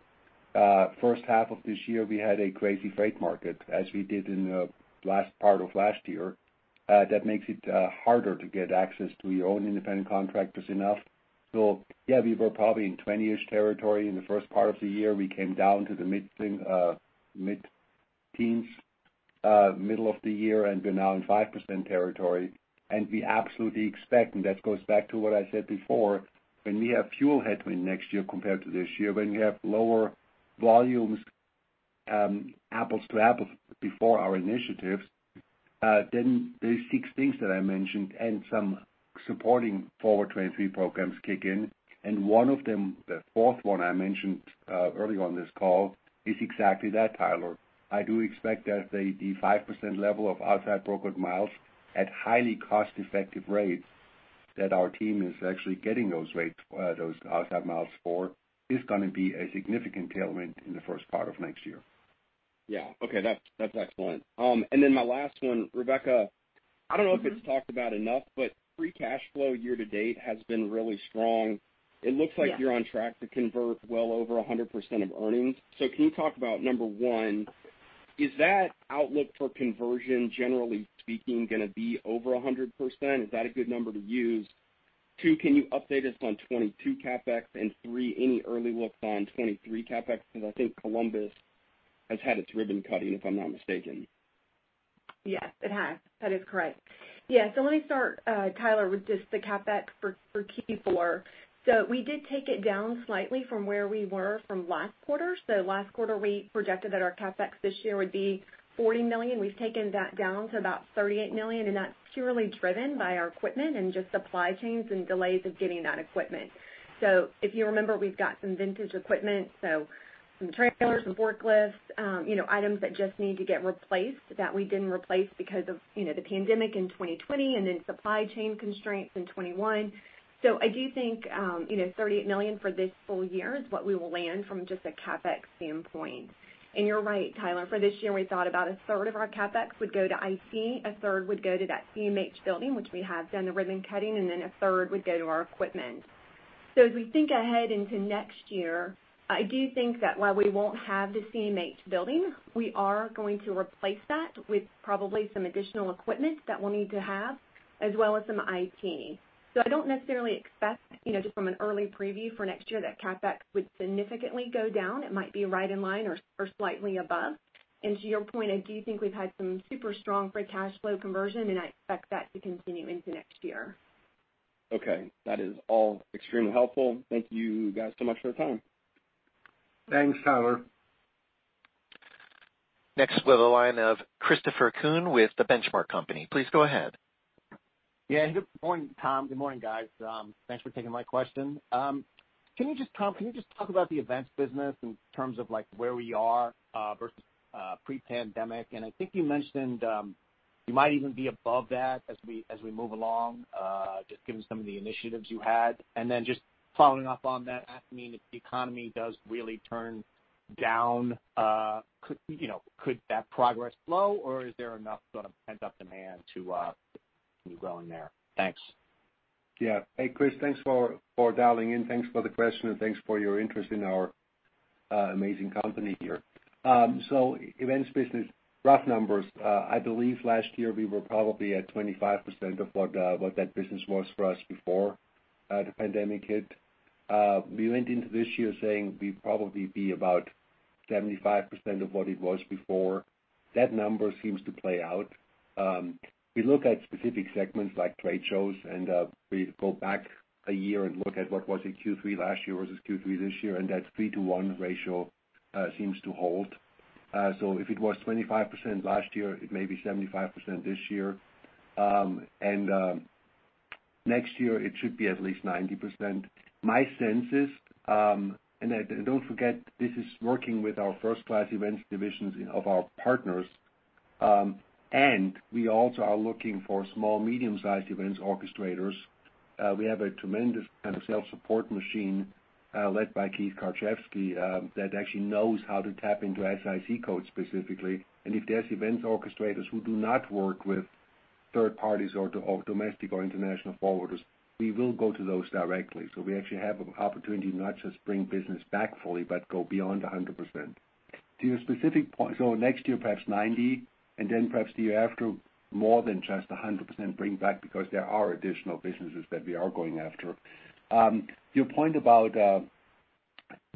B: First half of this year we had a crazy freight market, as we did in the last part of last year. That makes it harder to get access to your own independent contractors enough. So yeah, we were probably in 20-ish territory in the first part of the year. We came down to the mid-teens middle of the year, and we're now in 5% territory. We absolutely expect, and that goes back to what I said before, when we have fuel headwind next year compared to this year, when we have lower volumes, apples to apples before our initiatives, then these six things that I mentioned and some supporting Forward 23 programs kick in. One of them, the fourth one I mentioned early on this call is exactly that, Tyler. I do expect that the 5% level of outside brokered miles at highly cost-effective rates that our team is actually getting those rates, those outside miles for is gonna be a significant tailwind in the first part of next year.
F: Yeah. Okay. That's excellent. My last one, Rebecca.
G: Mm-hmm.
F: I don't know if it's talked about enough, but free cash flow year to date has been really strong.
G: Yeah.
F: It looks like you're on track to convert well over 100% of earnings. Can you talk about, number one, is that outlook for conversion, generally speaking, gonna be over 100%? Is that a good number to use? Two, can you update us on 2022 CapEx? And three, any early looks on 2023 CapEx? Because I think Columbus has had its ribbon cutting, if I'm not mistaken.
G: Yes, it has. That is correct. Yeah. Let me start, Tyler, with just the CapEx for Q4. We did take it down slightly from where we were from last quarter. Last quarter we projected that our CapEx this year would be $40 million. We've taken that down to about $38 million, and that's purely driven by our equipment and just supply chains and delays of getting that equipment. If you remember, we've got some vintage equipment, so some trailers, some forklifts, you know, items that just need to get replaced that we didn't replace because of, you know, the pandemic in 2020 and then supply chain constraints in 2021. I do think, you know, $38 million for this full year is what we will land from just a CapEx standpoint. You're right, Tyler. For this year, we thought about a third of our CapEx would go to IT, a third would go to that CMH building, which we have done the ribbon cutting, and then a third would go to our equipment. As we think ahead into next year, I do think that while we won't have the CMH building, we are going to replace that with probably some additional equipment that we'll need to have as well as some IT. I don't necessarily expect, you know, just from an early preview for next year that CapEx would significantly go down. It might be right in line or slightly above. To your point, I do think we've had some super strong free cash flow conversion, and I expect that to continue into next year.
F: Okay. That is all extremely helpful. Thank you guys so much for the time.
B: Thanks, Tyler.
A: Next, we have the line of Christopher Kuhn with The Benchmark Company. Please go ahead.
H: Yeah. Good morning, Tom. Good morning, guys. Thanks for taking my question. Can you just, Tom, talk about the events business in terms of like where we are versus pre-pandemic? I think you mentioned you might even be above that as we move along just given some of the initiatives you had. Then just following up on that, I mean, if the economy does really turn down, could, you know, that progress slow or is there enough sort of pent-up demand to continue growing there? Thanks.
B: Yeah. Hey, Chris, thanks for dialing in. Thanks for the question and thanks for your interest in our amazing company here. Events business, rough numbers. I believe last year we were probably at 25% of what that business was for us before the pandemic hit. We went into this year saying we'd probably be about 75% of what it was before. That number seems to play out. We look at specific segments like trade shows and we go back a year and look at what was in Q3 last year versus Q3 this year, and that 3:1 ratio seems to hold. So if it was 25% last year, it may be 75% this year. Next year it should be at least 90%. My sense is, don't forget this is working with our first-class events divisions of our partners, and we also are looking for small medium-sized events orchestrators. We have a tremendous kind of sales support machine, led by Keith Karczewski, that actually knows how to tap into SIC code specifically. If there's events orchestrators who do not work with third parties or domestic or international forwarders, we will go to those directly. We actually have an opportunity not just bring business back fully, but go beyond 100%. To your specific point. Next year, perhaps 90%, and then perhaps the year after, more than just 100% bring back because there are additional businesses that we are going after. Your point about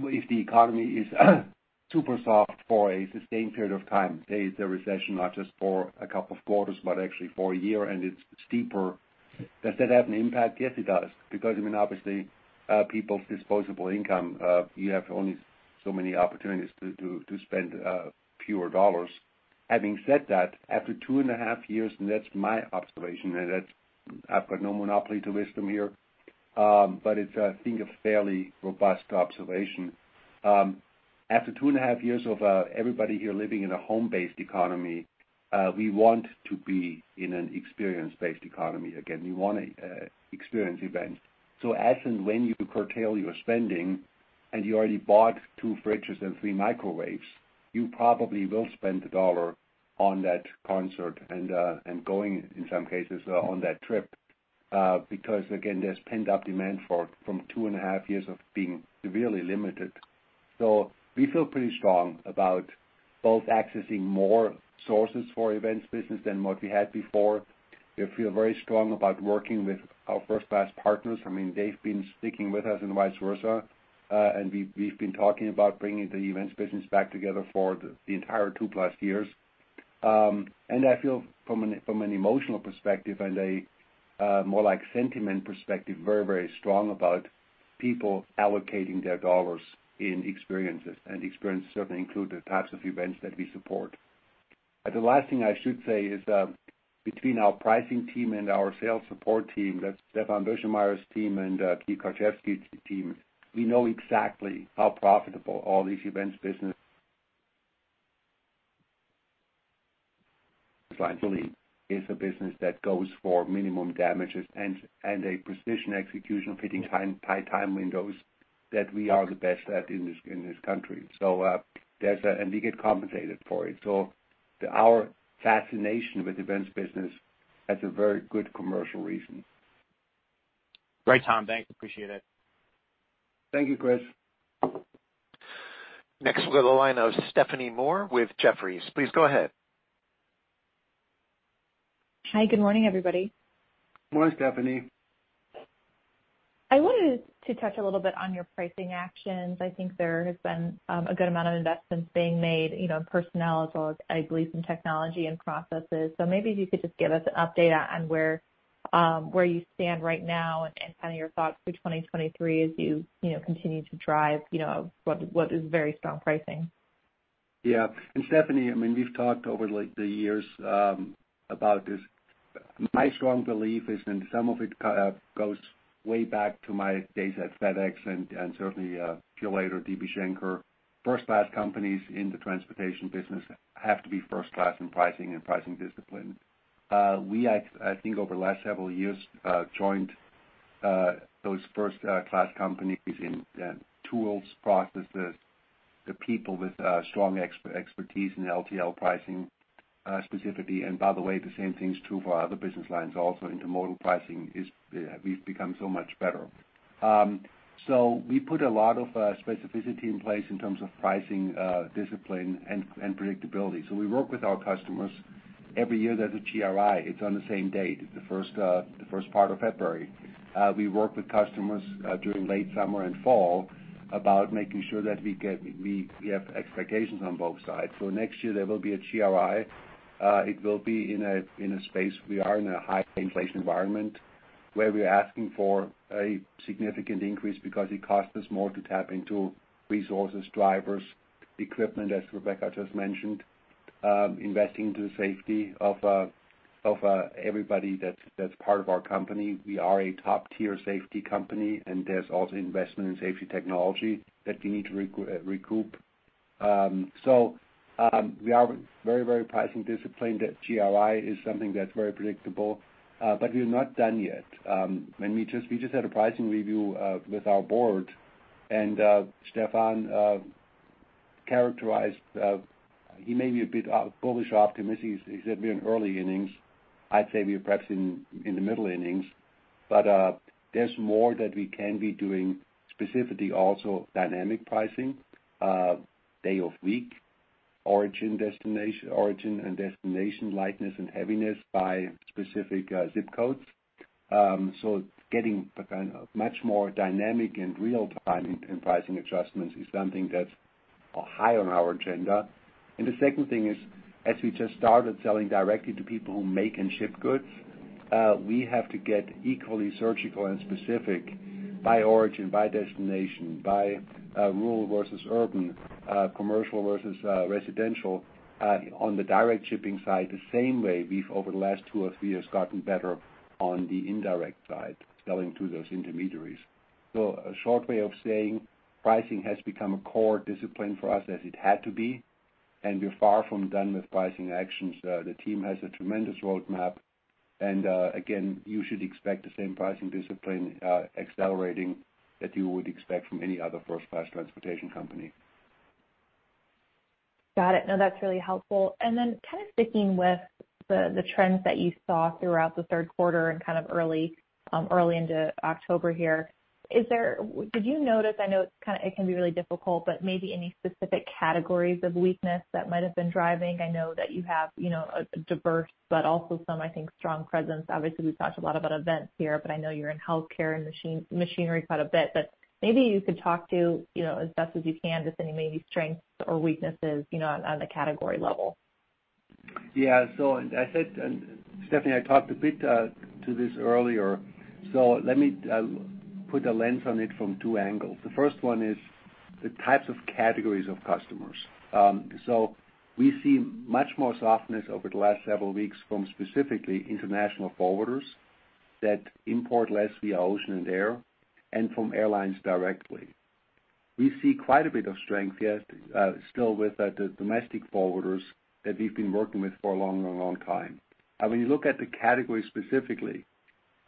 B: if the economy is super soft for a sustained period of time, say it's a recession not just for a couple of quarters, but actually for a year, and it's steeper. Does that have an impact? Yes, it does. Because I mean, obviously, people's disposable income, you have only so many opportunities to spend fewer dollars. Having said that, after two and a half years, and that's my observation. I've got no monopoly on wisdom here, but it's, I think, a fairly robust observation. After two and a half years of everybody here living in a home-based economy, we want to be in an experience-based economy again. We want experience events. As and when you curtail your spending and you already bought two fridges and three microwaves, you probably will spend $1 on that concert and going, in some cases, on that trip, because again, there's pent-up demand from 2.5 years of being severely limited. We feel pretty strong about both accessing more sources for events business than what we had before. We feel very strong about working with our first-class partners. I mean, they've been sticking with us and vice versa. We've been talking about bringing the events business back together for the entire 2+ years. I feel from an emotional perspective and a more like sentiment perspective, very strong about people allocating their dollars in experiences, and experiences certainly include the types of events that we support. The last thing I should say is, between our pricing support and our sales team, that's [Stephan Berschin's] team and Keith Karczewski's team, we know exactly how profitable all these events business. Finally, it's a business that goes for minimum damages and a precision execution time, tight time windows that we are the best at in this country. We get compensated for it. Our fascination with events business has a very good commercial reason.
H: Great, Tom. Thanks. Appreciate it.
B: Thank you, Chris.
A: Next we have on the line now Stephanie Moore with Jefferies. Please go ahead.
I: Hi, good morning, everybody.
B: Morning, Stephanie.
I: I wanted to touch a little bit on your pricing actions. I think there has been a good amount of investments being made, you know, in personnel as well as, I believe, some technology and processes. Maybe if you could just give us an update on where you stand right now and kind of your thoughts for 2023 as you know continue to drive, you know, what is very strong pricing.
B: Yeah. Stephanie, I mean, we've talked over like the years about this. My strong belief is, and some of it goes way back to my days at FedEx and certainly Purolator, DB Schenker. First-class companies in the transportation business have to be first class in pricing and pricing discipline. We, I think over the last several years, joined those first-class companies in tools, processes, the people with strong expertise in LTL pricing specifically. By the way, the same thing is true for our other business lines also. Intermodal pricing is, we've become so much better. We put a lot of specificity in place in terms of pricing discipline and predictability. We work with our customers every year there's a GRI. It's on the same date, the first part of February. We work with customers during late summer and fall about making sure that we have expectations on both sides. Next year, there will be a GRI. It will be in a space we are in a high inflation environment, where we're asking for a significant increase because it costs us more to tap into resources, drivers, equipment, as Rebecca just mentioned, investing into the safety of everybody that's part of our company. We are a top-tier safety company, and there's also investment in safety technology that we need to recoup. We are very pricing disciplined. That GRI is something that's very predictable, but we're not done yet. I mean, we just had a pricing review with our board, and [Stephan] characterized. He may be a bit bullish optimistic. He said we're in early innings. I'd say we're perhaps in the middle innings, but there's more that we can be doing, specifically also dynamic pricing, day of week, origin and destination, lightness and heaviness by specific zip codes. So getting a kind of much more dynamic and real-time pricing adjustments is something that's high on our agenda. The second thing is, as we just started selling directly to people who make and ship goods, we have to get equally surgical and specific by origin, by destination, by rural versus urban, commercial versus residential, on the direct shipping side, the same way we've, over the last two or three years, gotten better on the indirect side, selling to those intermediaries. A short way of saying pricing has become a core discipline for us as it had to be, and we're far from done with pricing actions. The team has a tremendous roadmap, and again, you should expect the same pricing discipline, accelerating that you would expect from any other first-class transportation company.
I: Got it. No, that's really helpful. Kind of sticking with the trends that you saw throughout the third quarter and kind of early into October here, did you notice? I know it can be really difficult, but maybe any specific categories of weakness that might have been driving? I know that you have, you know, a diverse but also some, I think, strong presence. Obviously, we've talked a lot about events here, but I know you're in healthcare and machinery quite a bit. Maybe you could talk to, you know, as best as you can, just any maybe strengths or weaknesses, you know, on the category level.
B: Yeah. As I said, and Stephanie, I talked a bit to this earlier, let me put a lens on it from two angles. The first one is the types of categories of customers. We see much more softness over the last several weeks from specifically international forwarders that import less via ocean and air, and from airlines directly. We see quite a bit of strength, yes, still with the domestic forwarders that we've been working with for a long time. When you look at the categories specifically,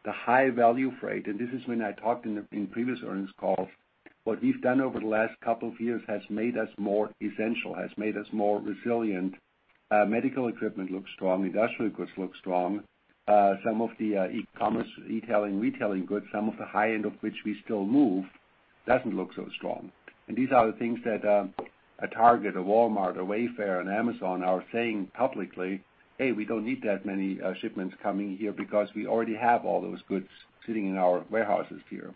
B: the high value freight, and this is when I talked in previous earnings calls, what we've done over the last couple of years has made us more essential, has made us more resilient. Medical equipment looks strong. Industrial goods look strong. Some of the e-commerce, e-tailing, retailing goods, some of the high end of which we still move, doesn't look so strong. These are the things that a Target, a Walmart, a Wayfair, an Amazon are saying publicly, "Hey, we don't need that many shipments coming here because we already have all those goods sitting in our warehouses here."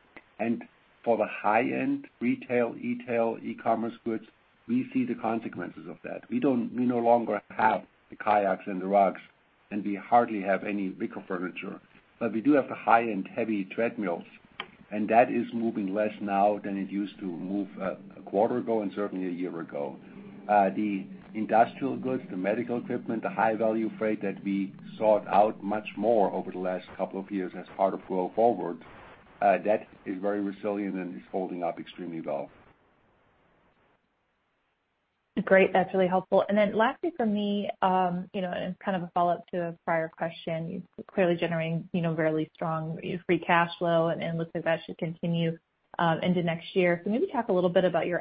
B: For the high-end retail, e-tail, e-commerce goods, we see the consequences of that. We no longer have the kayaks and the rugs, and we hardly have any bigger furniture. We do have the high-end heavy treadmills, and that is moving less now than it used to move a quarter ago and certainly a year ago. The industrial goods, the medical equipment, the high-value freight that we sought out much more over the last couple of years as part of Grow Forward, that is very resilient and is holding up extremely well.
I: Great. That's really helpful. Then lastly from me, you know, it's kind of a follow-up to a prior question. You're clearly generating, you know, really strong free cash flow, and it looks like that should continue into next year. Maybe talk a little bit about your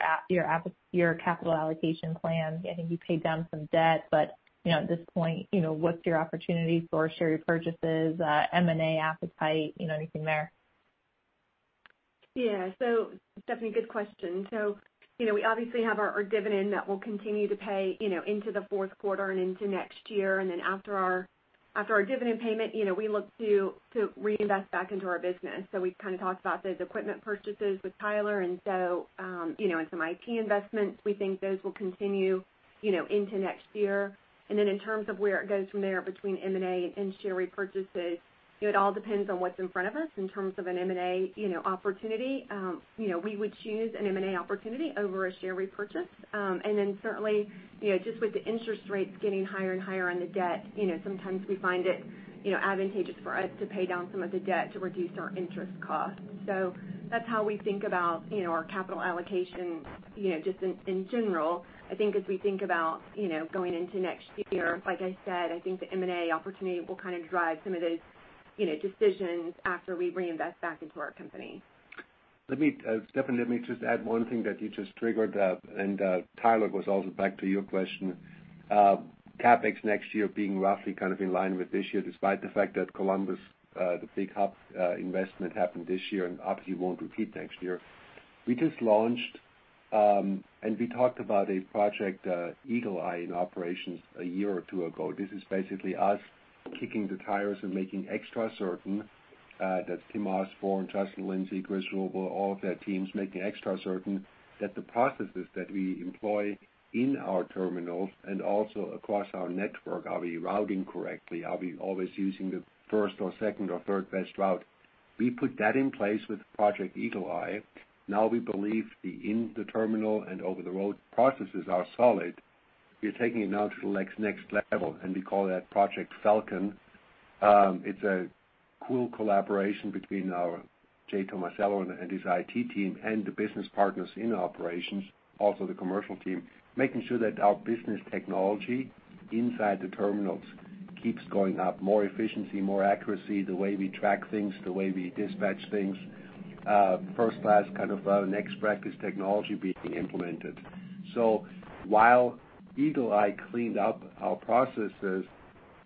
I: capital allocation plan. I think you paid down some debt, but, you know, at this point, you know, what's your opportunity for share repurchases, M&A appetite, you know, anything there?
G: Yeah. Stephanie, good question. You know, we obviously have our dividend that we'll continue to pay, you know, into the fourth quarter and into next year. After our dividend payment, you know, we look to reinvest back into our business. We've kind of talked about those equipment purchases with Tyler, you know, and some IT investments, we think those will continue, you know, into next year. In terms of where it goes from there between M&A and share repurchases, it all depends on what's in front of us in terms of an M&A, you know, opportunity. You know, we would choose an M&A opportunity over a share repurchase. Certainly, you know, just with the interest rates getting higher and higher on the debt, you know, sometimes we find it, you know, advantageous for us to pay down some of the debt to reduce our interest costs. That's how we think about, you know, our capital allocation, you know, just in general. I think as we think about, you know, going into next year, like I said, I think the M&A opportunity will kind of drive some of those, you know, decisions after we reinvest back into our company.
B: Let me, Stephanie, let me just add one thing that you just triggered, and Tyler, this also goes back to your question. CapEx next year being roughly kind of in line with this year, despite the fact that Columbus, the big hub, investment happened this year and obviously won't repeat next year. We just launched, and we talked about a project, Eagle Eye in operations a year or two ago. This is basically us kicking the tires and making extra certain, that Tim Osborne, Justin Lindsay, Chris Ruble, all of their teams, making extra certain that the processes that we employ in our terminals and also across our network, are we routing correctly? Are we always using the first or second or third best route? We put that in place with Project Eagle Eye. Now we believe the in-terminal and over-the-road processes are solid. We're taking it now to the next level, and we call that Project Falcon. It's a cool collaboration between our Jay Tomasello and his IT team and the business partners in operations, also the commercial team, making sure that our business technology inside the terminals keeps going up. More efficiency, more accuracy, the way we track things, the way we dispatch things. First-class, kind of our best-practice technology being implemented. While Eagle Eye cleaned up our processes,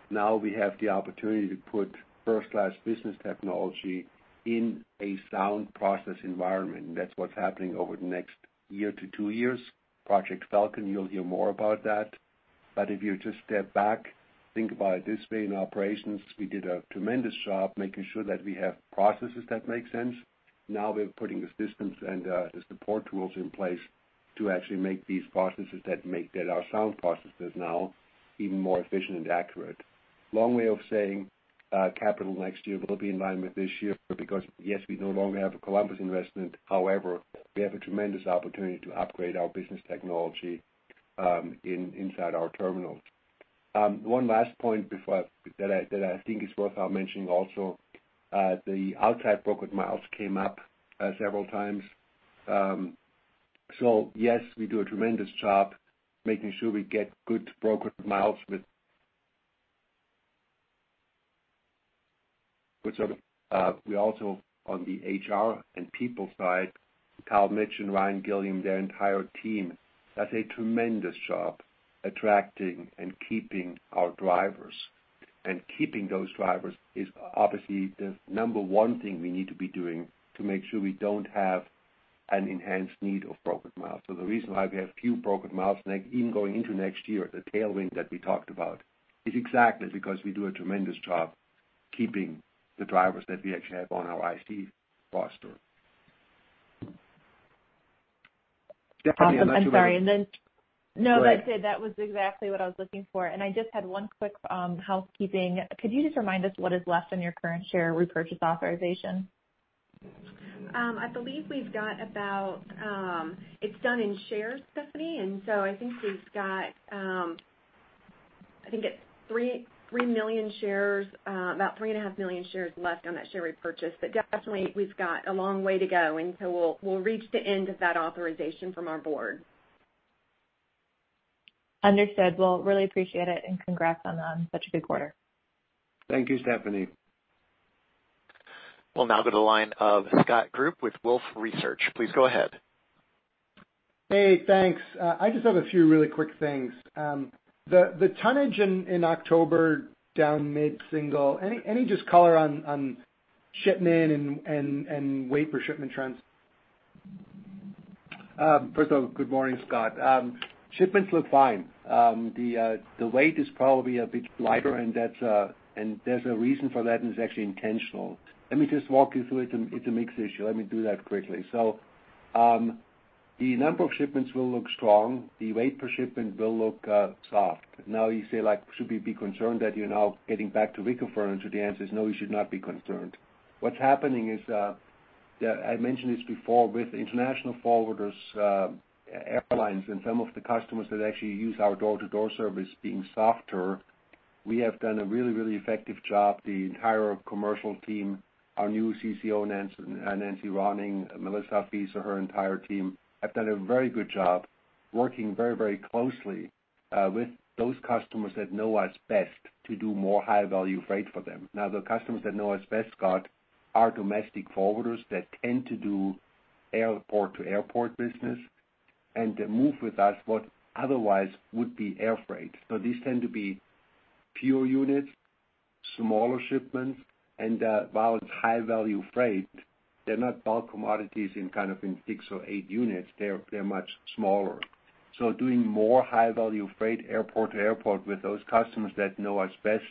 B: now we have the opportunity to put first-class business technology in a sound process environment. That's what's happening over the next year to two years. Project Falcon, you'll hear more about that. If you just step back, think about it this way, in our operations, we did a tremendous job making sure that we have processes that make sense. Now we're putting the systems and the support tools in place to actually make these processes that are sound processes now even more efficient and accurate. Long way of saying, CapEx next year will be in line with this year because, yes, we no longer have a Columbus investment. However, we have a tremendous opportunity to upgrade our business technology inside our terminals. One last point that I think is worth mentioning also, the outside brokered miles came up several times. Yes, we do a tremendous job making sure we get good brokered miles with, we also on the HR and people side, Kyle Mitchin and Ryan Gilliam, their entire team does a tremendous job attracting and keeping our drivers. Keeping those drivers is obviously the number one thing we need to be doing to make sure we don't have an enhanced need of brokered miles. The reason why we have few brokered miles, like even going into next year, the tailwind that we talked about is exactly because we do a tremendous job keeping the drivers that we actually have on our IC roster. Stephanie, I'm not sure that-
I: Awesome. I'm sorry.
B: Go ahead.
I: No, that's it. That was exactly what I was looking for. I just had one quick, housekeeping. Could you just remind us what is left in your current share repurchase authorization?
G: I believe we've got about. It's done in shares, Stephanie. I think we've got, I think it's 3 million shares, about 3.5 million shares left on that share repurchase. Definitely we've got a long way to go, and so we'll reach the end of that authorization from our board.
I: Understood. Well, really appreciate it, and congrats on such a good quarter.
B: Thank you, Stephanie.
A: We'll now go to the line of Scott Group with Wolfe Research. Please go ahead.
J: Hey, thanks. I just have a few really quick things. The tonnage in October down mid-single. Any color on shipment and weight per shipment trends?
B: First of all, good morning, Scott. Shipments look fine. The weight is probably a bit lighter, and that's, and there's a reason for that, and it's actually intentional. Let me just walk you through it. It's a mix issue. Let me do that quickly. The number of shipments will look strong, the weight per shipment will look soft. Now you say, like, should we be concerned that you're now getting back to weaker furniture? The answer is no, you should not be concerned. What's happening is, yeah, I mentioned this before with international forwarders, airlines and some of the customers that actually use our door-to-door service being softer, we have done a really, really effective job. The entire commercial team, our new CCO, Nancee Ronning, Melissa Feeser, her entire team, have done a very good job working very, very closely with those customers that know us best to do more high-value freight for them. The customers that know us best, Scott, are domestic forwarders that tend to do airport-to-airport business and they move with us what otherwise would be air freight. These tend to be pure units, smaller shipments, and while it's high-value freight, they're not bulk commodities in kind of in six or eight units. They're much smaller. Doing more high-value freight airport-to-airport with those customers that know us best,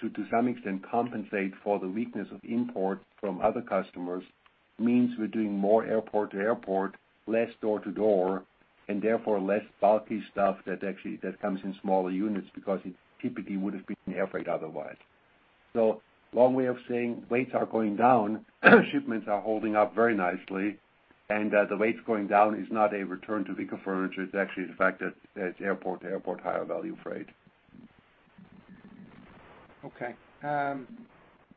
B: to some extent compensate for the weakness of import from other customers means we're doing more airport-to-airport, less door-to-door, and therefore less bulky stuff that actually comes in smaller units because it typically would have been air freight otherwise. Long way of saying weights are going down, shipments are holding up very nicely, and the weights going down is not a return to weaker furniture. It's actually the fact that it's airport-to-airport higher value freight.
J: Okay.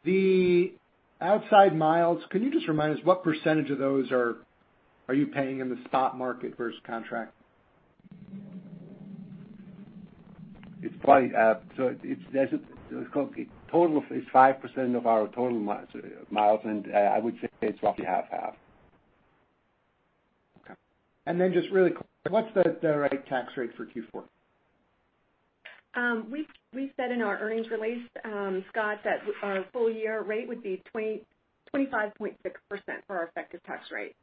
J: The outside miles, can you just remind us what percentage of those are you paying in the spot market versus contract?
B: It's called a total of 5% of our total miles, and I would say it's roughly half/half.
J: Okay. Just really quick, what's the effective tax rate for Q4?
G: We said in our earnings release, Scott, that our full year rate would be 25.6% for our effective tax rate.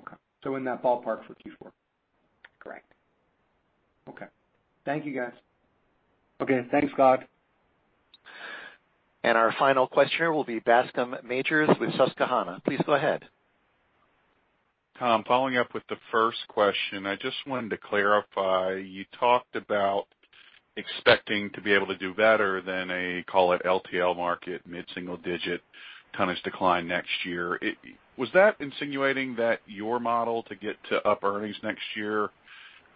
J: Okay. In that ballpark for Q4?
G: Correct.
J: Okay. Thank you, guys.
B: Okay. Thanks, Scott.
A: Our final question will be Bascome Majors with Susquehanna. Please go ahead.
K: Tom, following up with the first question, I just wanted to clarify, you talked about expecting to be able to do better than a, call it LTL market, mid-single digit tonnage decline next year. It was that insinuating that your model to get to up earnings next year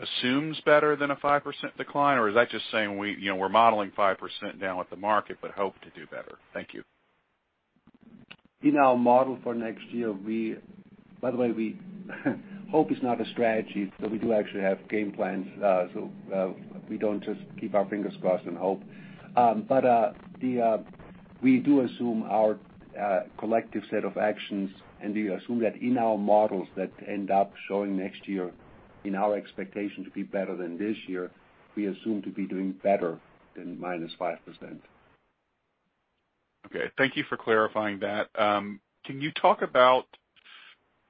K: assumes better than a 5% decline, or is that just saying we, you know, we're modeling 5% down with the market, but hope to do better? Thank you.
B: In our model for next year, by the way, we hope is not a strategy. We do actually have game plans. We don't just keep our fingers crossed and hope. We do assume our collective set of actions and we assume that in our models that end up showing next year in our expectation to be better than this year, we assume to be doing better than minus 5%.
K: Okay. Thank you for clarifying that. Can you talk about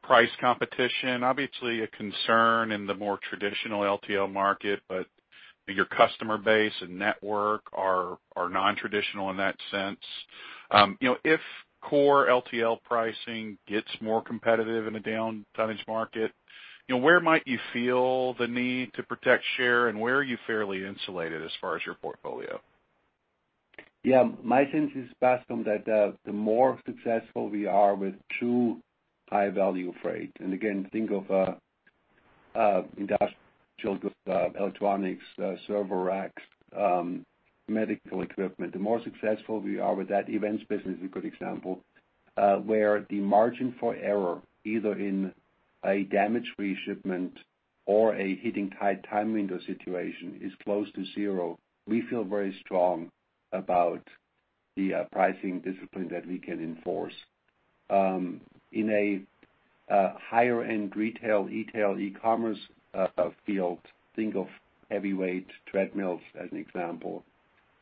K: price competition? Obviously a concern in the more traditional LTL market, but your customer base and network are non-traditional in that sense. You know, if core LTL pricing gets more competitive in a down tonnage market, you know, where might you feel the need to protect share, and where are you fairly insulated as far as your portfolio?
B: Yeah, my sense is, Bascom, that the more successful we are with true high value freight, and again, think of industrial goods, electronics, server racks, medical equipment. The more successful we are with that events business, a good example, where the margin for error, either in a damage reshipment or a hitting tight time window situation is close to zero, we feel very strong about the pricing discipline that we can enforce. In a higher end retail, e-tail, e-commerce field, think of heavyweight treadmills as an example,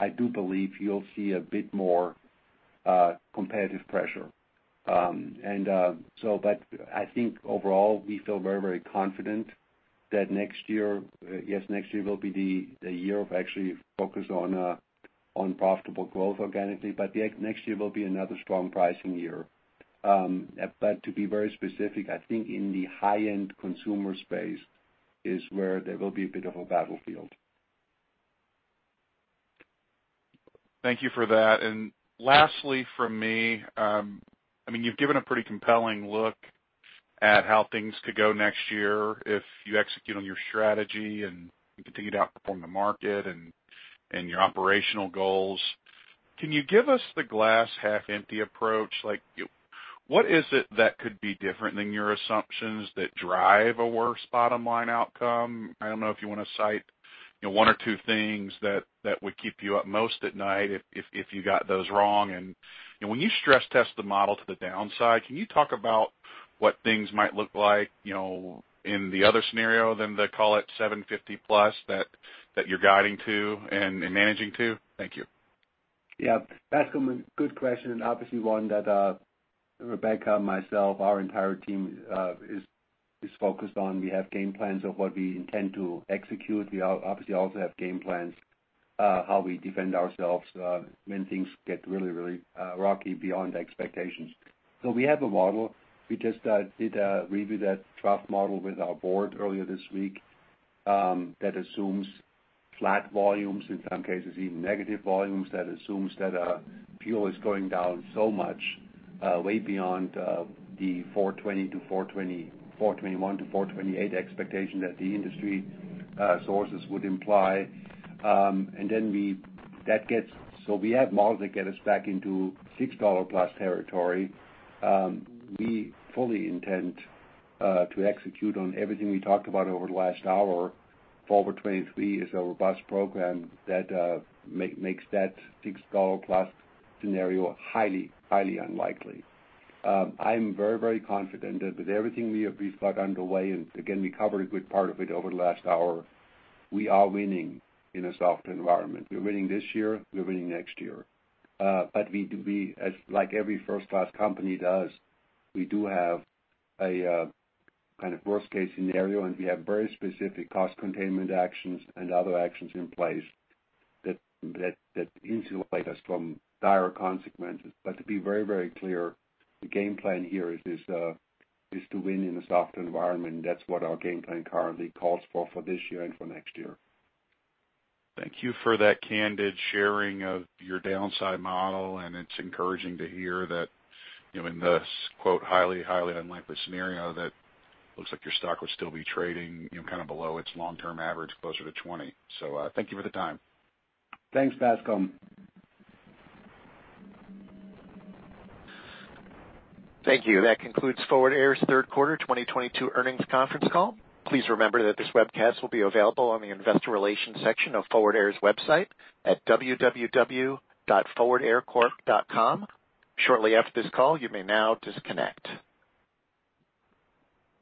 B: I do believe you'll see a bit more competitive pressure. I think overall we feel very, very confident that next year, yes, next year will be the year of actually focus on profitable growth organically. Next year will be another strong pricing year. To be very specific, I think in the high-end consumer space is where there will be a bit of a battlefield.
K: Thank you for that. Lastly from me, I mean, you've given a pretty compelling look at how things could go next year if you execute on your strategy and you continue to outperform the market and your operational goals. Can you give us the glass half empty approach? Like, what is it that could be different than your assumptions that drive a worse bottom-line outcome? I don't know if you want to cite, you know, one or two things that would keep you up most at night if you got those wrong. When you stress test the model to the downside, can you talk about what things might look like, you know, in the other scenario than the, call it, $7.50+ that you're guiding to and managing to? Thank you.
B: Yeah. Bascome, good question, and obviously one that, Rebecca, myself, our entire team, is focused on. We have game plans of what we intend to execute. We obviously also have game plans how we defend ourselves when things get really rocky beyond expectations. We have a model. We just did a review that stress model with our board earlier this week that assumes flat volumes, in some cases even negative volumes, that assumes that fuel is going down so much way beyond the $4.21-$4.28 expectation that the industry sources would imply. We have models that get us back into $6+ territory. We fully intend to execute on everything we talked about over the last hour. Forward 23 is a robust program that makes that $6+ scenario highly unlikely. I am very confident that with everything we have got underway, and again, we covered a good part of it over the last hour, we are winning in a softer environment. We're winning this year. We're winning next year. We, as like every first-class company does, we do have a kind of worst case scenario, and we have very specific cost containment actions and other actions in place that insulate us from dire consequences. To be very clear, the game plan here is to win in a softer environment. That's what our game plan currently calls for this year and for next year.
K: Thank you for that candid sharing of your downside model, and it's encouraging to hear that, you know, in this, quote, highly unlikely scenario, that looks like your stock would still be trading, you know, kind of below its long-term average, closer to 20. Thank you for the time.
B: Thanks, Bascome.
A: Thank you. That concludes Forward Air's third quarter 2022 earnings conference call. Please remember that this webcast will be available on the investor relations section of Forward Air's website at www.forwardaircorp.com shortly after this call. You may now disconnect.